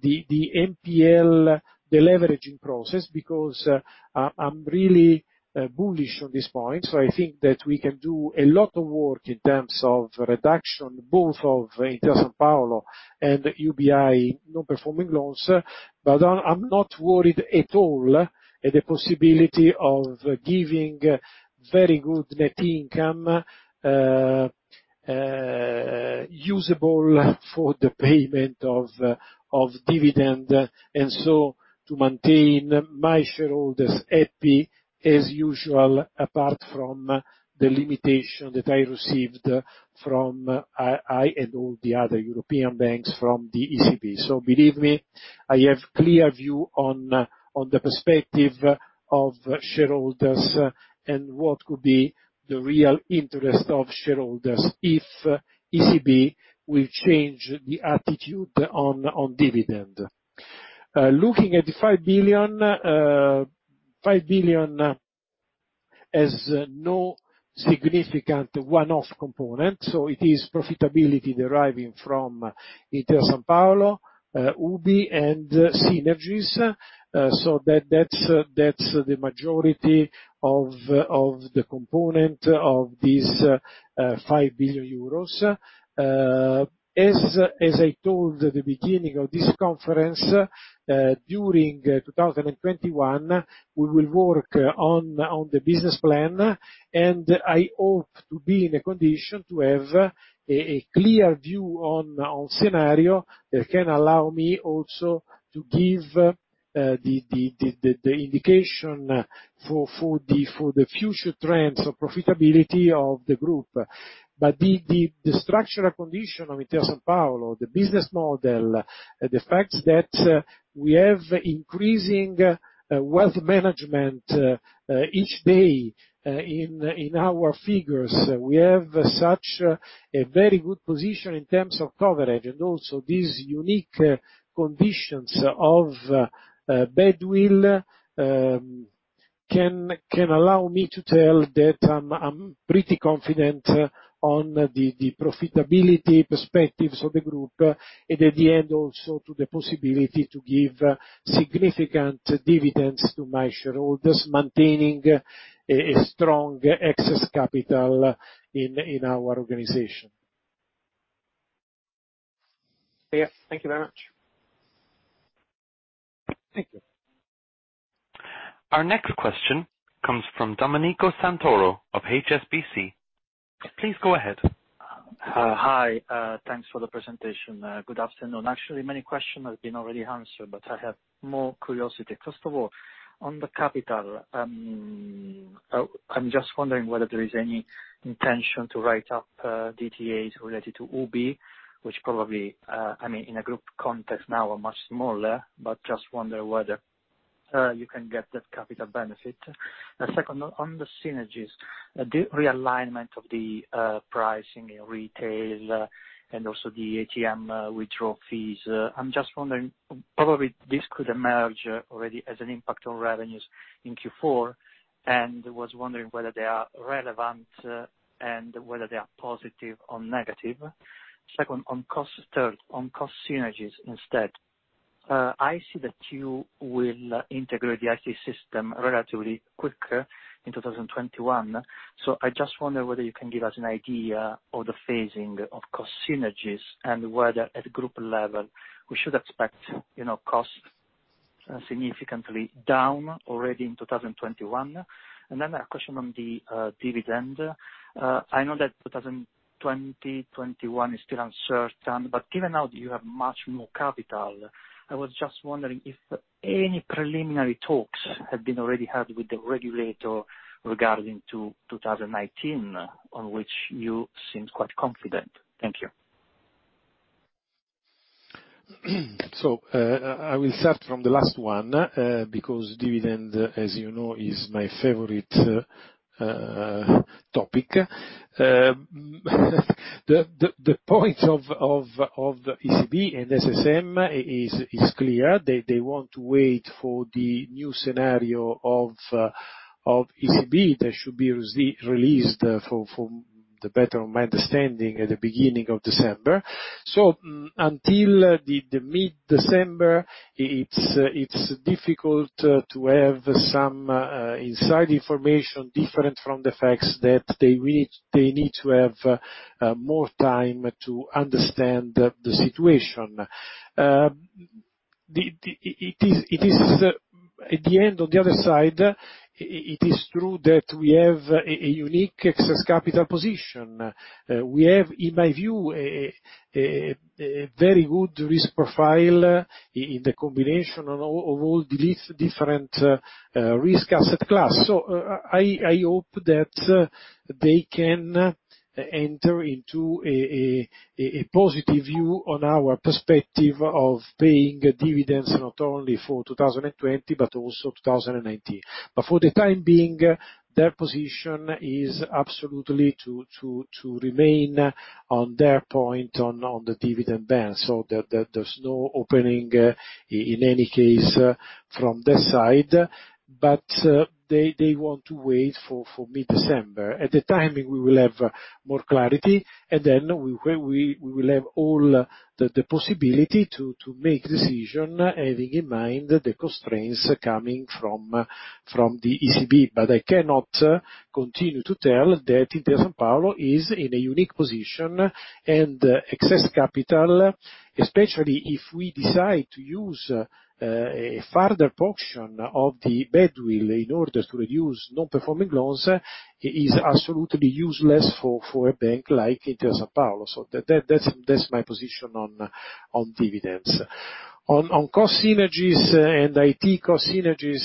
the NPL deleveraging process, because I'm really bullish on this point. I think that we can do a lot of work in terms of reduction, both of Intesa Sanpaolo and UBI non-performing loans. I'm not worried at all at the possibility of giving very good net income usable for the payment of dividend, and so to maintain my shareholders happy as usual, apart from the limitation that I received from all the other European banks from the ECB. Believe me, I have clear view on the perspective of shareholders and what could be the real interest of shareholders if ECB will change the attitude on dividend. Looking at the 5 billion, 5 billion has no significant one-off component, it is profitability deriving from Intesa Sanpaolo, UBI, and synergies. That's the majority of the component of this 5 billion euros. As I told at the beginning of this conference, during 2021, we will work on the business plan. I hope to be in a condition to have a clear view on scenario that can allow me also to give the indication for the future trends of profitability of the group. The structural condition of Intesa Sanpaolo, the business model, the fact that we have increasing wealth management each day in our figures. We have such a very good position in terms of coverage, and also these unique conditions of badwill can allow me to tell that I'm pretty confident on the profitability perspectives of the group. At the end also to the possibility to give significant dividends to my shareholders, maintaining a strong excess capital in our organization. Yeah. Thank you very much. Thank you. Our next question comes from Domenico Santoro of HSBC. Please go ahead. Hi. Thanks for the presentation. Good afternoon. Actually, many question has been already answered. I have more curiosity. First of all, on the capital, I'm just wondering whether there is any intention to write up DTAs related to UBI, which probably, in a group context now are much smaller. I just wonder whether you can get that capital benefit. Second, on the synergies, the realignment of the pricing in retail and also the ATM withdrawal fees, I'm just wondering, probably this could emerge already as an impact on revenues in Q4. I was wondering whether they are relevant and whether they are positive or negative. Second, on cost synergies instead. I see that you will integrate the IT system relatively quicker in 2021. I just wonder whether you can give us an idea of the phasing of cost synergies and whether, at group level, we should expect cost significantly down already in 2021. A question on the dividend. I know that 2020, 2021 is still uncertain, but given now that you have much more capital, I was just wondering if any preliminary talks have been already had with the regulator regarding to 2019, on which you seemed quite confident. Thank you. I will start from the last one, because dividend, as you know, is my favorite topic. The point of ECB and SSM is clear. They want to wait for the new scenario of ECB that should be released, from the better of my understanding, at the beginning of December. Until the mid-December, it is difficult to have some inside information different from the facts that they need to have more time to understand the situation. At the end, on the other side, it is true that we have a unique excess capital position. We have, in my view, a very good risk profile in the combination of all different risk asset class. I hope that they can enter into a positive view on our perspective of paying dividends not only for 2020, but also 2019. For the time being, their position is absolutely to remain on their point on the dividend ban. There's no opening in any case from their side. They want to wait for mid-December. At the time, we will have more clarity. Then we will have all the possibility to make decision, having in mind the constraints coming from the ECB. I cannot continue to tell that Intesa Sanpaolo is in a unique position and excess capital, especially if we decide to use a farther portion of the badwill in order to reduce non-performing loans, is absolutely useless for a bank like Intesa Sanpaolo. That's my position on dividends. On cost synergies and IT cost synergies,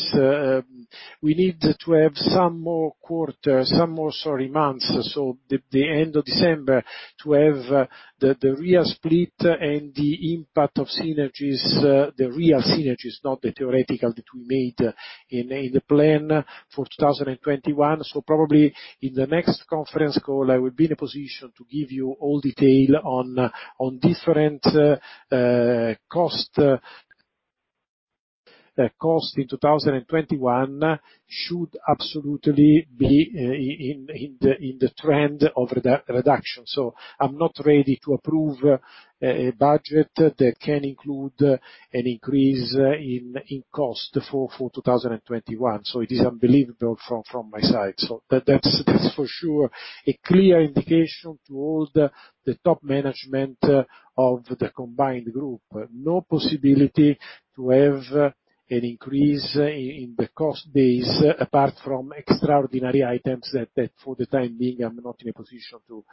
we need to have some more months, so the end of December to have the real split and the impact of synergies, the real synergies, not the theoretical that we made in the plan for 2021. Probably in the next conference call, I will be in a position to give you all detail on different cost. Cost in 2021 should absolutely be in the trend of reduction. I'm not ready to approve a budget that can include an increase in cost for 2021. It is unbelievable from my side. That's for sure a clear indication to all the top management of the combined group. No possibility to have an increase in the cost base apart from extraordinary items that for the time being, I'm not in a position to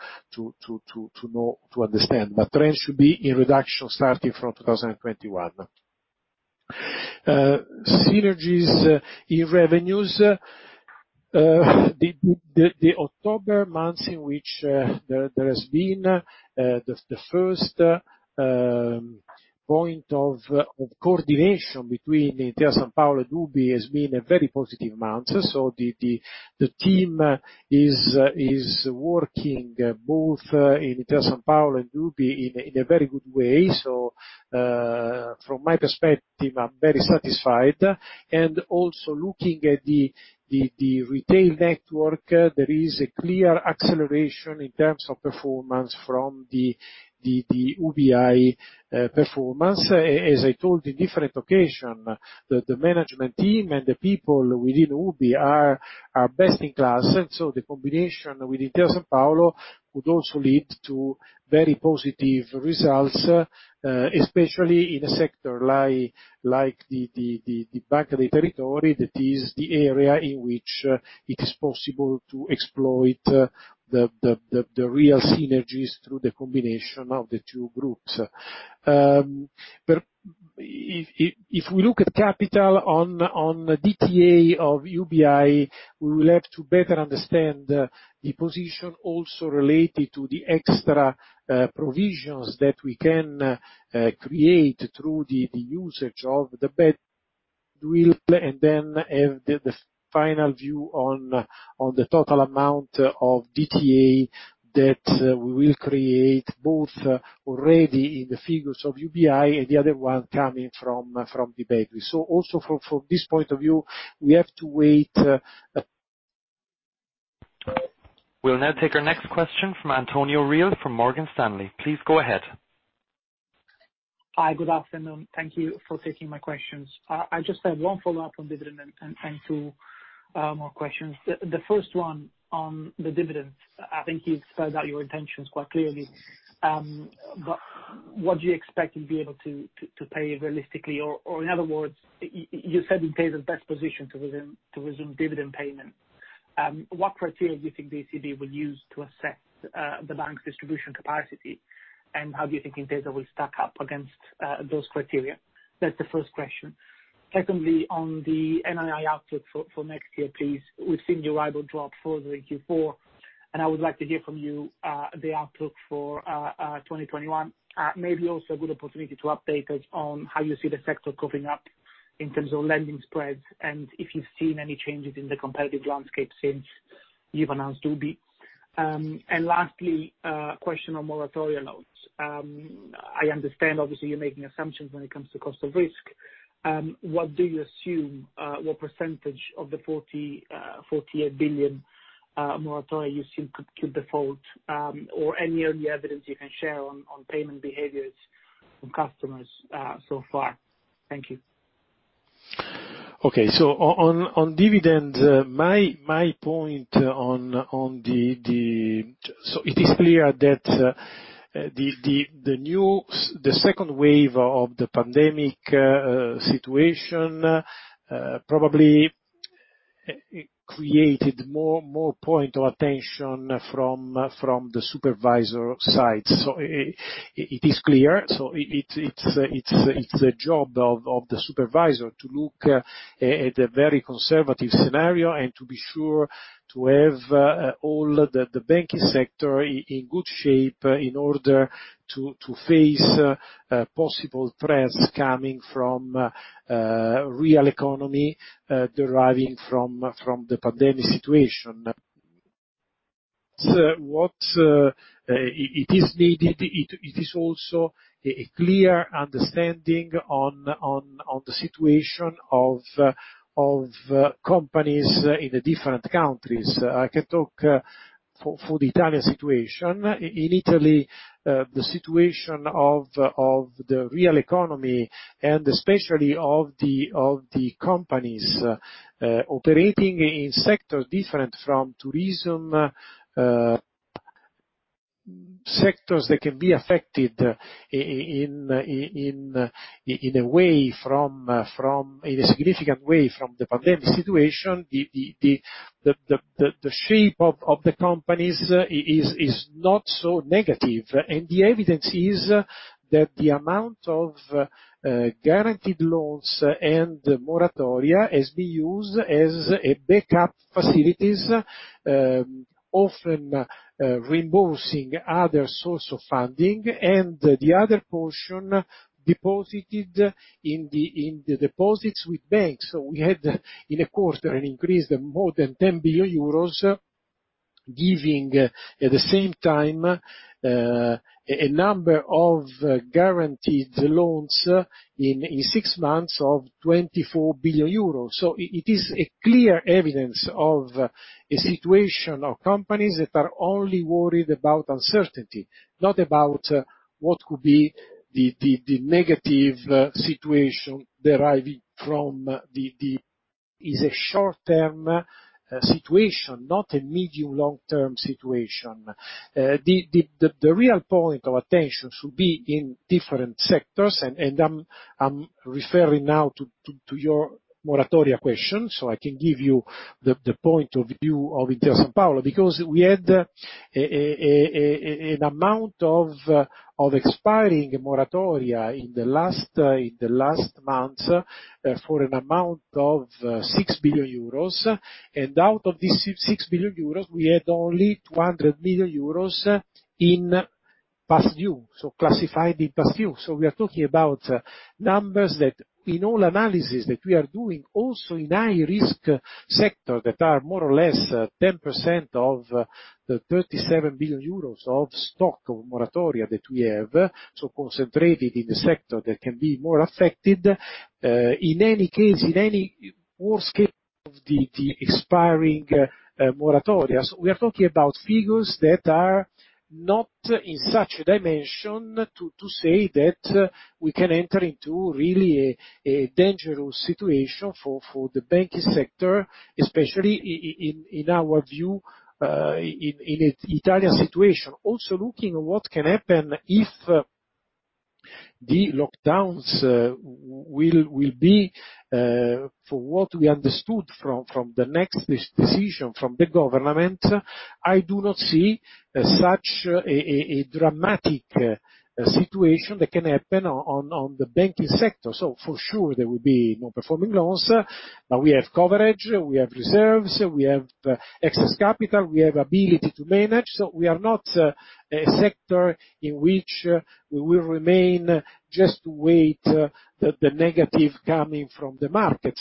understand. Trend should be in reduction starting from 2021. Synergies in revenues. The October months in which there has been the first point of coordination between Intesa Sanpaolo and UBI has been a very positive month. The team is working both in Intesa Sanpaolo and UBI in a very good way. From my perspective, I'm very satisfied. Also looking at the retail network, there is a clear acceleration in terms of performance from the UBI performance. As I told in different occasion, the management team and the people within UBI are best in class. The combination with Intesa Sanpaolo would also lead to very positive results, especially in a sector like the part of the territory, that is the area in which it is possible to exploit the real synergies through the combination of the two groups. If we look at capital on DTA of UBI, we will have to better understand the position also related to the extra provisions that we can create through the usage of the badwill. We will then have the final view on the total amount of DTA that we will create, both already in the figures of UBI and the other one coming from the badwill. Also from this point of view, we have to wait. We'll now take our next question from Antonio Reale from Morgan Stanley. Please go ahead. Hi. Good afternoon. Thank you for taking my questions. I just have one follow-up on dividend and two more questions. The first one on the dividend, I think you spelled out your intentions quite clearly. What do you expect you'll be able to pay realistically? In other words, you said Intesa is best positioned to resume dividend payment. What criteria do you think the ECB will use to assess the bank's distribution capacity? How do you think Intesa will stack up against those criteria? That's the first question. Secondly, on the NII outlook for next year, please. We've seen your rival dropped further in Q4, and I would like to hear from you the outlook for 2021. Maybe also a good opportunity to update us on how you see the sector coping up in terms of lending spreads, and if you've seen any changes in the competitive landscape since you've announced UBI. Lastly, a question on moratoria loans. I understand, obviously, you're making assumptions when it comes to cost of risk. What do you assume, what % of the 48 billion moratoria you seem could default, or any early evidence you can share on payment behaviors from customers so far? Thank you. Okay. On dividend, it is clear that the second wave of the pandemic situation probably created more point of attention from the supervisor side. It is clear. It's a job of the supervisor to look at the very conservative scenario and to be sure to have all the banking sector in good shape in order to face possible threats coming from real economy, deriving from the pandemic situation. It is needed. It is also a clear understanding on the situation of companies in the different countries. I can talk for the Italian situation. In Italy, the situation of the real economy, and especially of the companies operating in sectors different from tourism, sectors that can be affected in a significant way from the pandemic situation. The shape of the companies is not so negative. The evidence is that the amount of guaranteed loans and moratoria has been used as a backup facilities, often reimbursing other source of funding, and the other portion deposited in the deposits with banks. We had, in a quarter, an increase of more than 10 billion euros, giving at the same time, a number of guaranteed loans in six months of 24 billion euros. It is a clear evidence of a situation of companies that are only worried about uncertainty, not about what could be the negative situation deriving from the is a short-term situation, not a medium, long-term situation. The real point of attention should be in different sectors. I'm referring now to your moratoria question, so I can give you the point of view of Intesa Sanpaolo. We had an amount of expiring moratoria in the last month for an amount of 6 billion euros. Out of these 6 billion euros, we had only 200 million euros in past due, so classified in past due. We are talking about numbers that in all analysis that we are doing, also in high risk sector that are more or less 10% of the 37 billion euros of stock of moratoria that we have. Concentrated in the sector that can be more affected. In any case, in any worst case of the expiring moratoria, we are talking about figures that are not in such a dimension to say that we can enter into really a dangerous situation for the banking sector, especially in our view, in Italian situation. Looking at what can happen if the lockdowns will be, for what we understood from the next decision from the government, I do not see such a dramatic situation that can happen on the banking sector. For sure, there will be non-performing loans. We have coverage, we have reserves, we have excess capital, we have ability to manage. We are not a sector in which we will remain just to wait the negative coming from the market.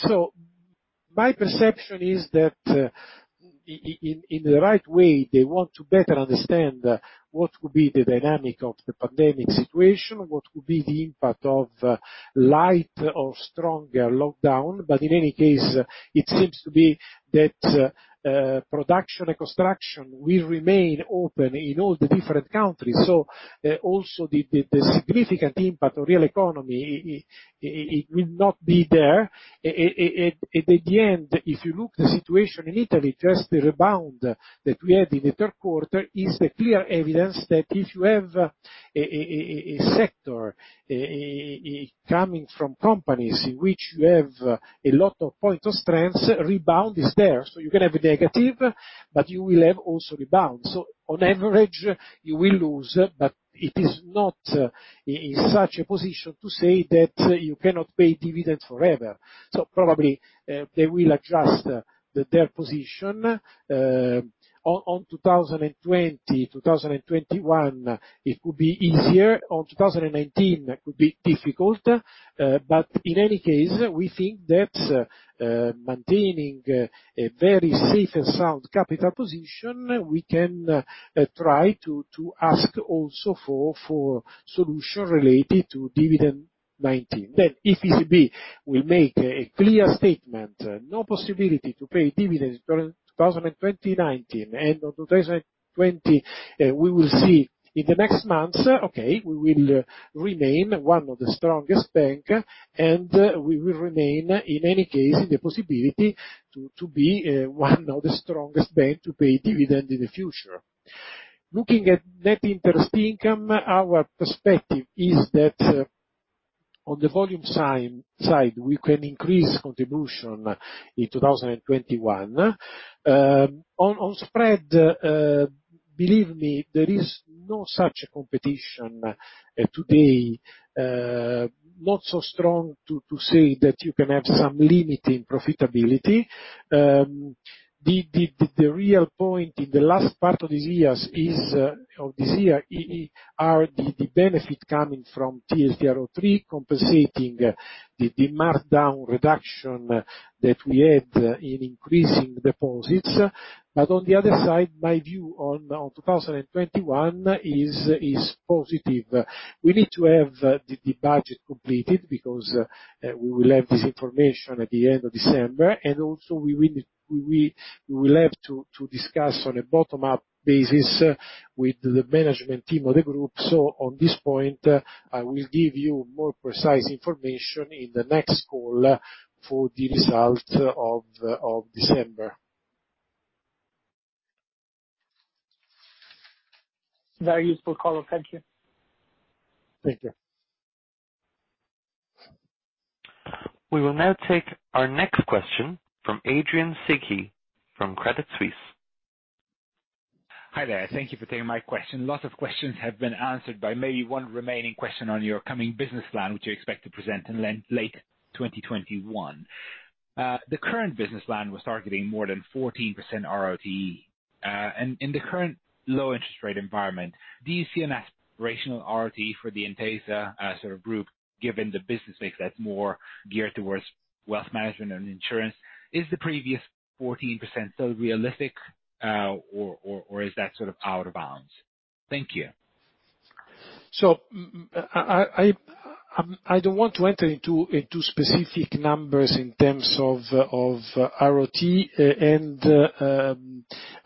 My perception is that in the right way, they want to better understand what would be the dynamic of the pandemic situation, what would be the impact of light or stronger lockdown. In any case, it seems to be that production and construction will remain open in all the different countries. Also the significant impact on real economy, it will not be there. At the end, if you look the situation in Italy, just the rebound that we had in the third quarter is a clear evidence that if you have a sector coming from companies in which you have a lot of point of strength, rebound is there. You can have a negative, but you will have also rebound. On average, you will lose, but it is not in such a position to say that you cannot pay dividends forever. Probably, they will adjust their position. On 2020, 2021, it could be easier. On 2019, it could be difficult. In any case, we think that maintaining a very safe and sound capital position, we can try to ask also for solution related to dividend 2019. If ECB will make a clear statement, no possibility to pay dividends during 2019 and on 2020, we will see in the next months. Okay, we will remain one of the strongest bank, and we will remain, in any case, in the possibility to be one of the strongest bank to pay dividend in the future. Looking at net interest income, our perspective is that on the volume side, we can increase contribution in 2021. On spread, believe me, there is no such competition today, not so strong to say that you can have some limit in profitability. The real point in the last part of this year are the benefit coming from TLTRO III compensating the markdown reduction that we had in increasing deposits. On the other side, my view on 2021 is positive. We need to have the budget completed because we will have this information at the end of December. Also we will have to discuss on a bottom-up basis with the management team of the group. On this point, I will give you more precise information in the next call for the results of December. Very useful color. Thank you. Thank you. We will now take our next question from Adrian Cighi from Credit Suisse. Hi there. Thank you for taking my question. Lot of questions have been answered but maybe one remaining question on your coming business plan, which you expect to present in late 2021. The current business plan was targeting more than 14% ROTE. In the current low interest rate environment, do you see an aspirational ROTE for the Intesa as a group, given the business mix that's more geared towards wealth management and insurance? Is the previous 14% still realistic or is that sort of out of bounds? Thank you. I don't want to enter into specific numbers in terms of ROTE.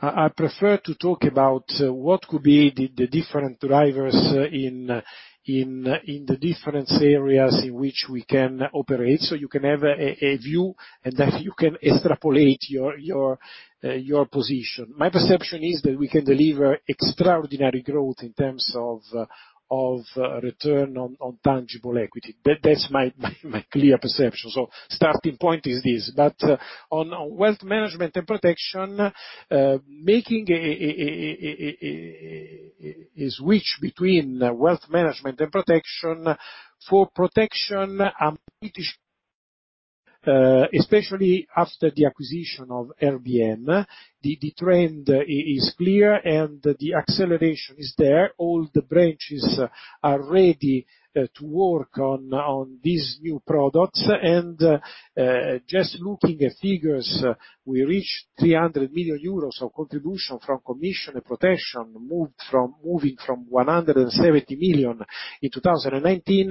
I prefer to talk about what could be the different drivers in the different areas in which we can operate, so you can have a view, and that you can extrapolate your position. My perception is that we can deliver extraordinary growth in terms of return on tangible equity. That's my clear perception. Starting point is this. On Wealth Management & Protection, making a switch between Wealth Management and Protection. For protection, I'm pretty sure, especially after the acquisition of RBM, the trend is clear, and the acceleration is there. All the branches are ready to work on these new products. Just looking at figures, we reached 300 million euros of contribution from commission and protection, moving from 170 million in 2019.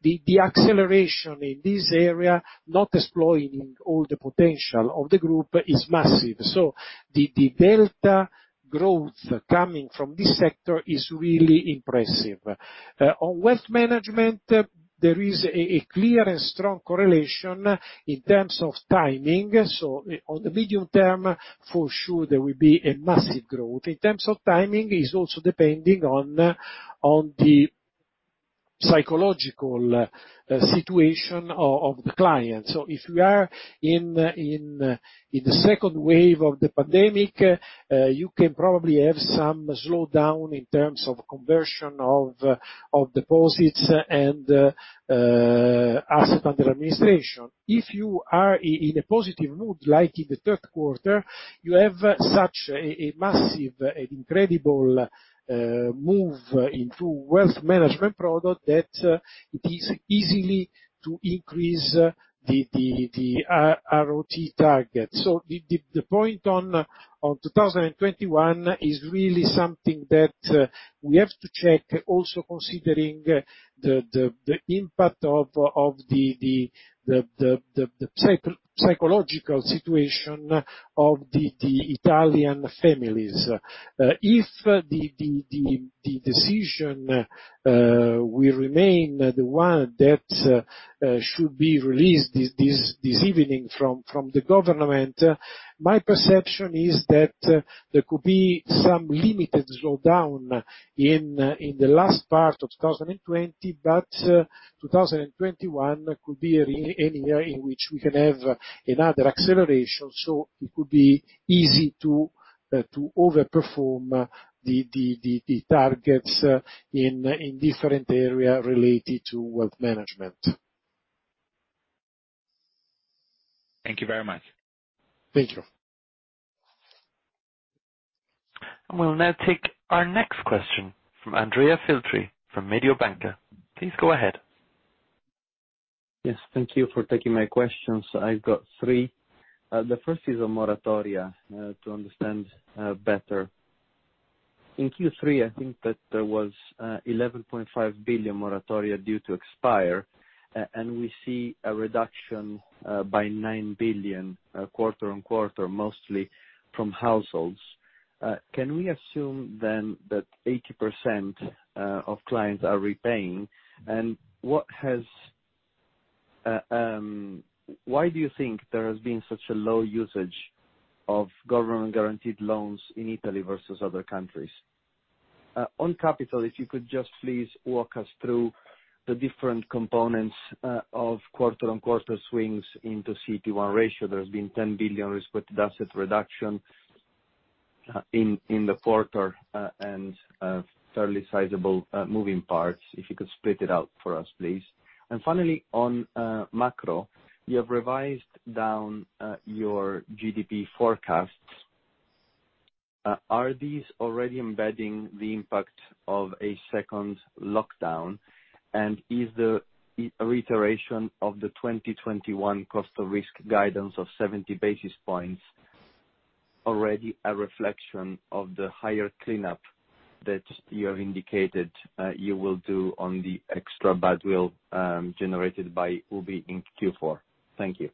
The acceleration in this area, not exploiting all the potential of the group, is massive. The delta growth coming from this sector is really impressive. On wealth management, there is a clear and strong correlation in terms of timing. On the medium term, for sure, there will be a massive growth. In terms of timing, is also depending on the psychological situation of the client. If we are in the second wave of the pandemic, you can probably have some slowdown in terms of conversion of deposits and asset under administration. If you are in a positive mood, like in the third quarter, you have such a massive and incredible move into wealth management product that it is easily to increase the ROTE target. The point on 2021 is really something that we have to check also considering the impact of the psychological situation of the Italian families. If the decision will remain the one that should be released this evening from the government, my perception is that there could be some limited slowdown in the last part of 2020. 2021 could be a year in which we can have another acceleration. It could be easy to over-perform the targets in different area related to wealth management. Thank you very much. Thank you. We'll now take our next question from Andrea Filtri from Mediobanca. Please go ahead. Yes, thank you for taking my questions. I've got three. The first is on moratoria, to understand better. In Q3, I think that there was 11.5 billion moratoria due to expire. We see a reduction by 9 billion quarter-on-quarter, mostly from households. Can we assume then that 80% of clients are repaying? Why do you think there has been such a low usage of government-guaranteed loans in Italy versus other countries? On capital, if you could just please walk us through the different components of quarter-on-quarter swings into CET1 ratio. There has been 10 billion risk-weighted asset reduction in the quarter, and fairly sizable moving parts. If you could split it out for us, please. Finally, on macro, you have revised down your GDP forecasts. Are these already embedding the impact of a second lockdown? Is the reiteration of the 2021 cost of risk guidance of 70 basis points already a reflection of the higher cleanup that you have indicated you will do on the extra badwill generated by UBI in Q4? Thank you.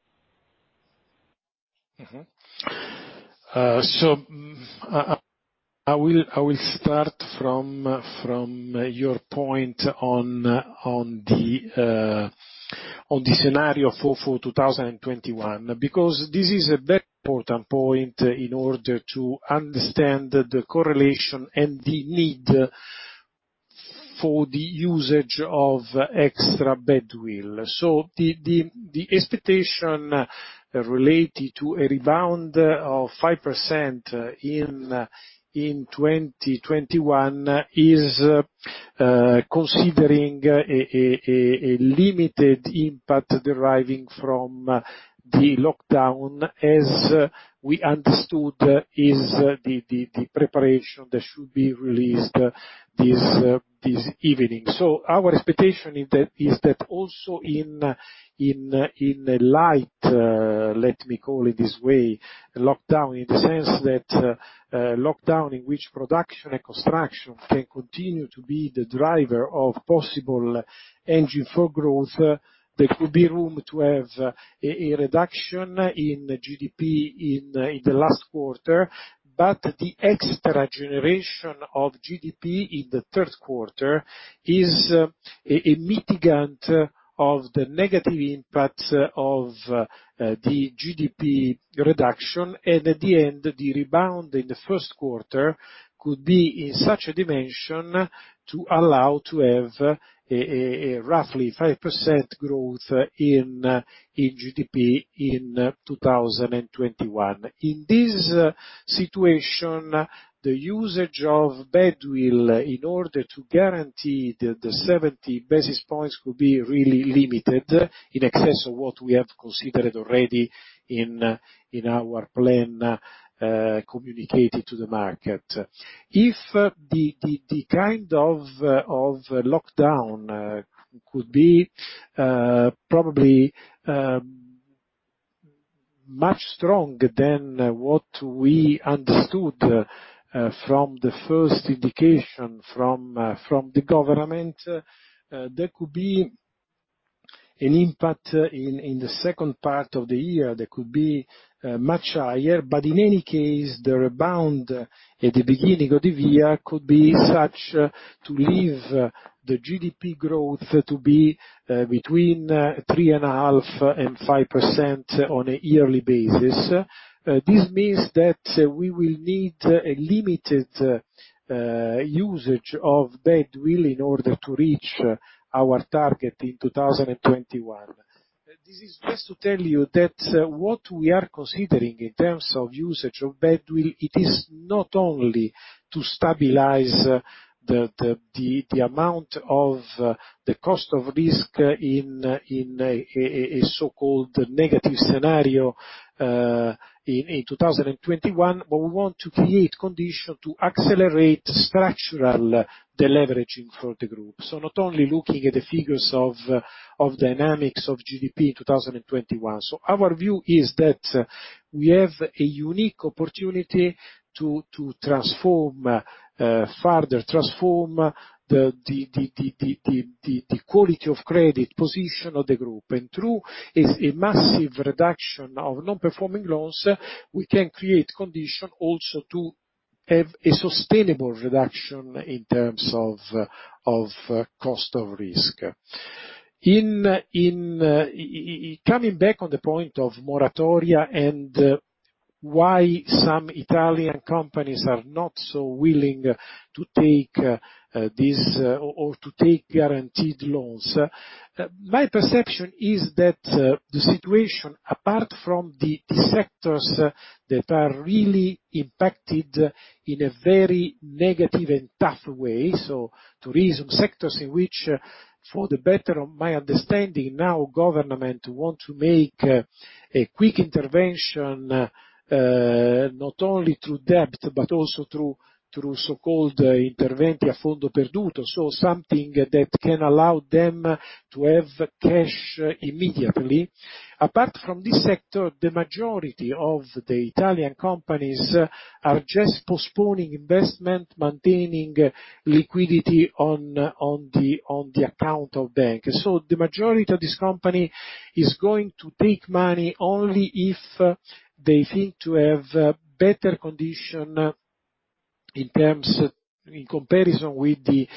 I will start from your point on the scenario for 2021, because this is an important point in order to understand the correlation and the need for the usage of extra badwill. The expectation related to a rebound of 5% in 2021 is considering a limited impact deriving from the lockdown, as we understood is the preparation that should be released this evening. Our expectation is that also in the light, let me call it this way, lockdown, in the sense that a lockdown in which production and construction can continue to be the driver of possible engine for growth. There could be room to have a reduction in GDP in the last quarter, but the extra generation of GDP in the third quarter is a mitigant of the negative impact of the GDP reduction. At the end, the rebound in the first quarter could be in such a dimension to allow to have a roughly 5% growth in GDP in 2021. In this situation, the usage of badwill, in order to guarantee the 70 basis points could be really limited in excess of what we have considered already in our plan communicated to the market. If the kind of lockdown could be probably much stronger than what we understood from the first indication from the government, there could be an impact in the second part of the year that could be much higher. In any case, the rebound at the beginning of the year could be such to leave the GDP growth to be between 3.5% and 5% on a yearly basis. This means that we will need a limited usage of badwill in order to reach our target in 2021. This is just to tell you that what we are considering in terms of usage of badwill, it is not only to stabilize the amount of the cost of risk in a so-called negative scenario in 2021. We want to create condition to accelerate structural deleveraging for the group. Not only looking at the figures of dynamics of GDP in 2021. Our view is that we have a unique opportunity to further transform the quality of credit position of the group. Through a massive reduction of non-performing loans, we can create condition also to have a sustainable reduction in terms of cost of risk. Coming back on the point of moratoria and why some Italian companies are not so willing to take guaranteed loans. My perception is that the situation, apart from the sectors that are really impacted in a very negative and tough way, Tourism sectors in which, for the better of my understanding, now government want to make a quick intervention, not only through debt, but also through so-called interventi a fondo perduto. Something that can allow them to have cash immediately. Apart from this sector, the majority of the Italian companies are just postponing investment, maintaining liquidity on the account of bank. The majority of this company is going to take money only if they think to have better condition in comparison with the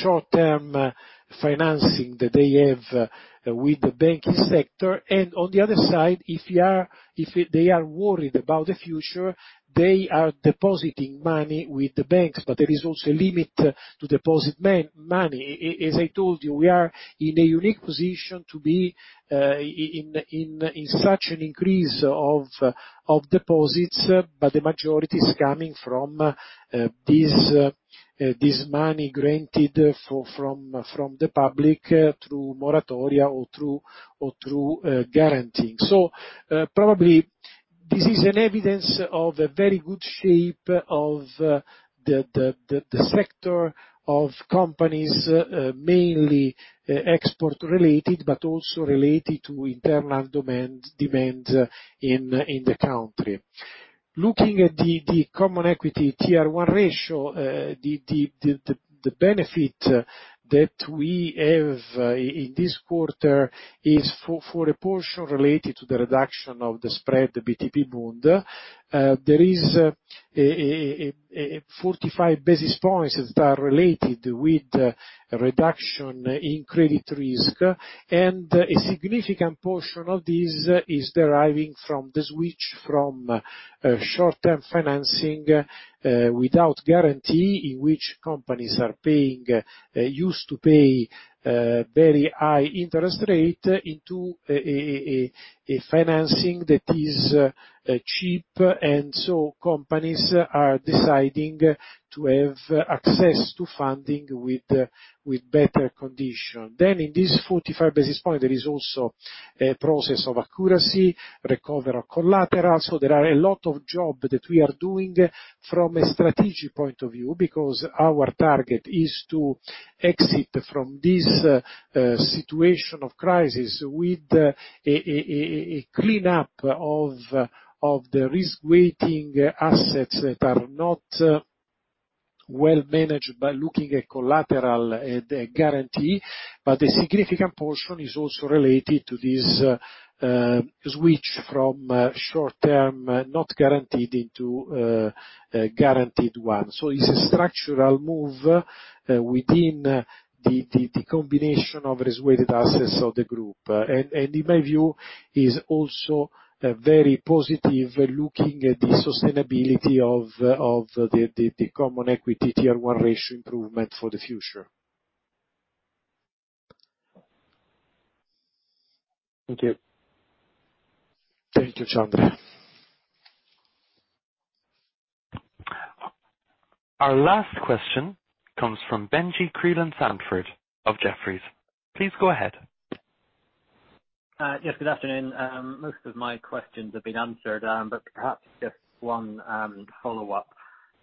short-term financing that they have with the banking sector. On the other side, if they are worried about the future, they are depositing money with the banks. There is also a limit to deposit money. As I told you, we are in a unique position to be in such an increase of deposits. The majority is coming from this money granted from the public through moratoria or through guaranteeing. Probably this is an evidence of the very good shape of the sector of companies, mainly export related, but also related to internal demand in the country. Looking at the Common Equity Tier 1 ratio, the benefit that we have in this quarter is for a portion related to the reduction of the spread to BTP-Bund. There is 45 basis points that are related with reduction in credit risk, a significant portion of this is deriving from the switch from short-term financing without guarantee, in which companies are used to pay very high interest rate into a financing that is cheap, companies are deciding to have access to funding with better condition. In this 45 basis point, there is also a process of accuracy, recover of collateral. There are a lot of job that we are doing from a strategic point of view because our target is to exit from this situation of crisis with a clean up of the risk-weighting assets that are not well managed by looking at collateral guarantee. A significant portion is also related to this switch from short-term, not guaranteed into a guaranteed one. It's a structural move within the combination of risk-weighted assets of the group. In my view, is also very positive looking at the sustainability of the Common Equity Tier 1 ratio improvement for the future. Thank you. Thank you, Andrea. Our last question comes from Benjie Creelan-Sandford of Jefferies. Please go ahead. Yes, good afternoon. Most of my questions have been answered, perhaps just one follow-up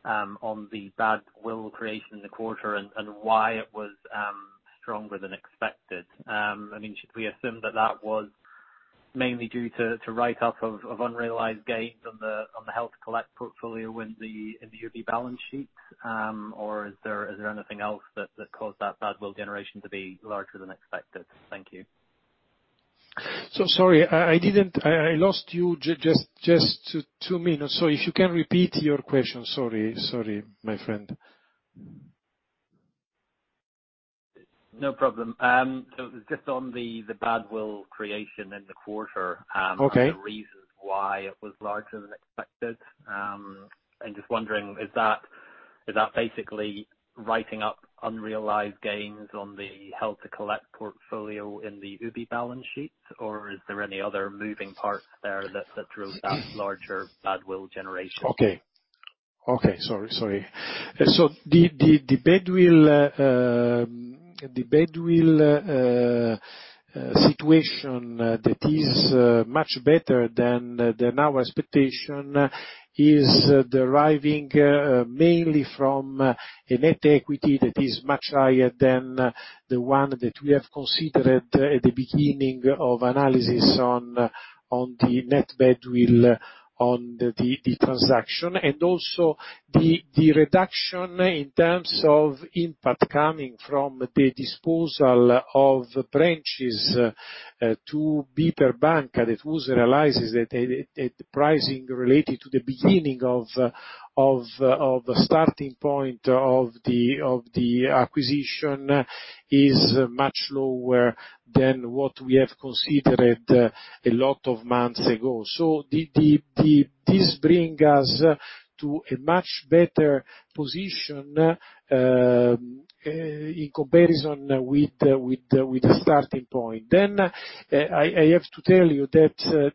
on the badwill creation in the quarter and why it was stronger than expected. Should we assume that that was mainly due to write off of unrealized gains on the held-to-collect portfolio in the UBI balance sheet? Is there anything else that caused that badwill generation to be larger than expected? Thank you. Sorry. I lost you just two minutes. If you can repeat your question. Sorry, my friend. No problem. It was just on the badwill creation in the quarter. Okay. The reasons why it was larger than expected. I'm just wondering, is that basically writing up unrealized gains on the held-to-collect portfolio in the UBI balance sheet, or is there any other moving parts there that drove that larger badwill generation? Okay. Sorry. The badwill situation that is much better than our expectation is deriving mainly from a net equity that is much higher than the one that we have considered at the beginning of analysis on the net badwill on the transaction. Also the reduction in terms of impact coming from the disposal of branches to BPER Banca, that also realizes that the pricing related to the beginning of the starting point of the acquisition is much lower than what we have considered a lot of months ago. This bring us to a much better position in comparison with the starting point. I have to tell you that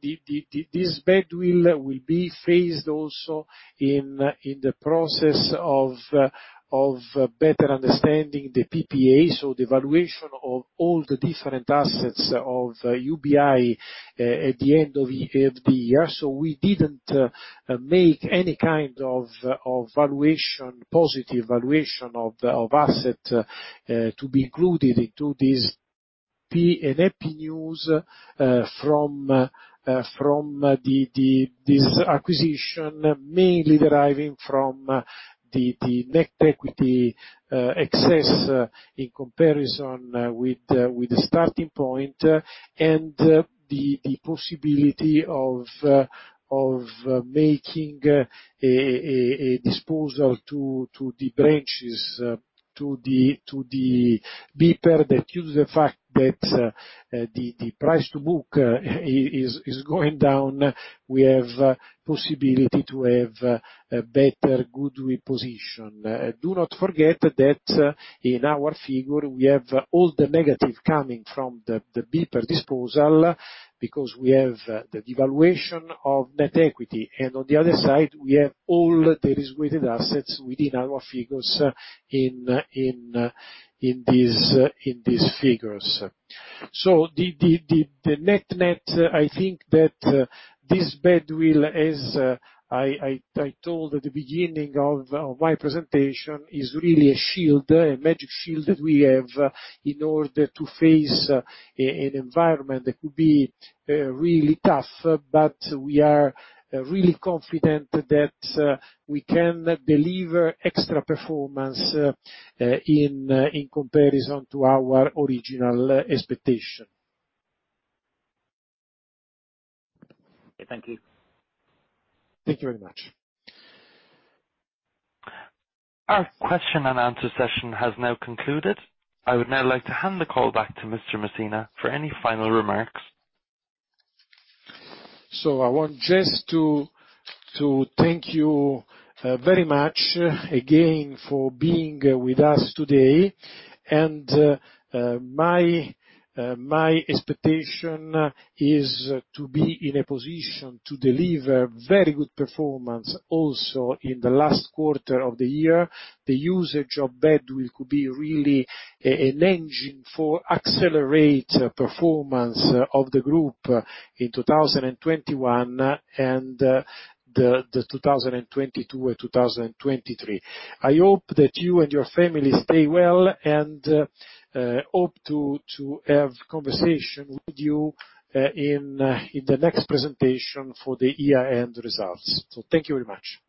this badwill be phased also in the process of better understanding the PPA. The valuation of all the different assets of UBI at the end of the year. We didn't make any kind of positive valuation of asset to be included into this P&FP news from this acquisition, mainly deriving from the net equity excess in comparison with the starting point and the possibility of making a disposal to the branches to BPER that use the fact that the price-to-book is going down, we have possibility to have a better goodwill position. Do not forget that in our figure, we have all the negative coming from the BPER disposal because we have the devaluation of net equity. On the other side, we have all the risk-weighted assets within our figures in these figures. The net-net, I think that this badwill, as I told at the beginning of my presentation, is really a magic shield that we have in order to face an environment that could be really tough. We are really confident that we can deliver extra performance, in comparison to our original expectation. Thank you. Thank you very much. Our question and answer session has now concluded. I would now like to hand the call back to Mr. Messina for any final remarks. I want just to thank you very much again for being with us today. My expectation is to be in a position to deliver very good performance also in the last quarter of the year. The usage of badwill could be really an engine for accelerate performance of the group in 2021 and the 2022 or 2023. I hope that you and your family stay well and hope to have conversation with you in the next presentation for the year-end results. Thank you very much.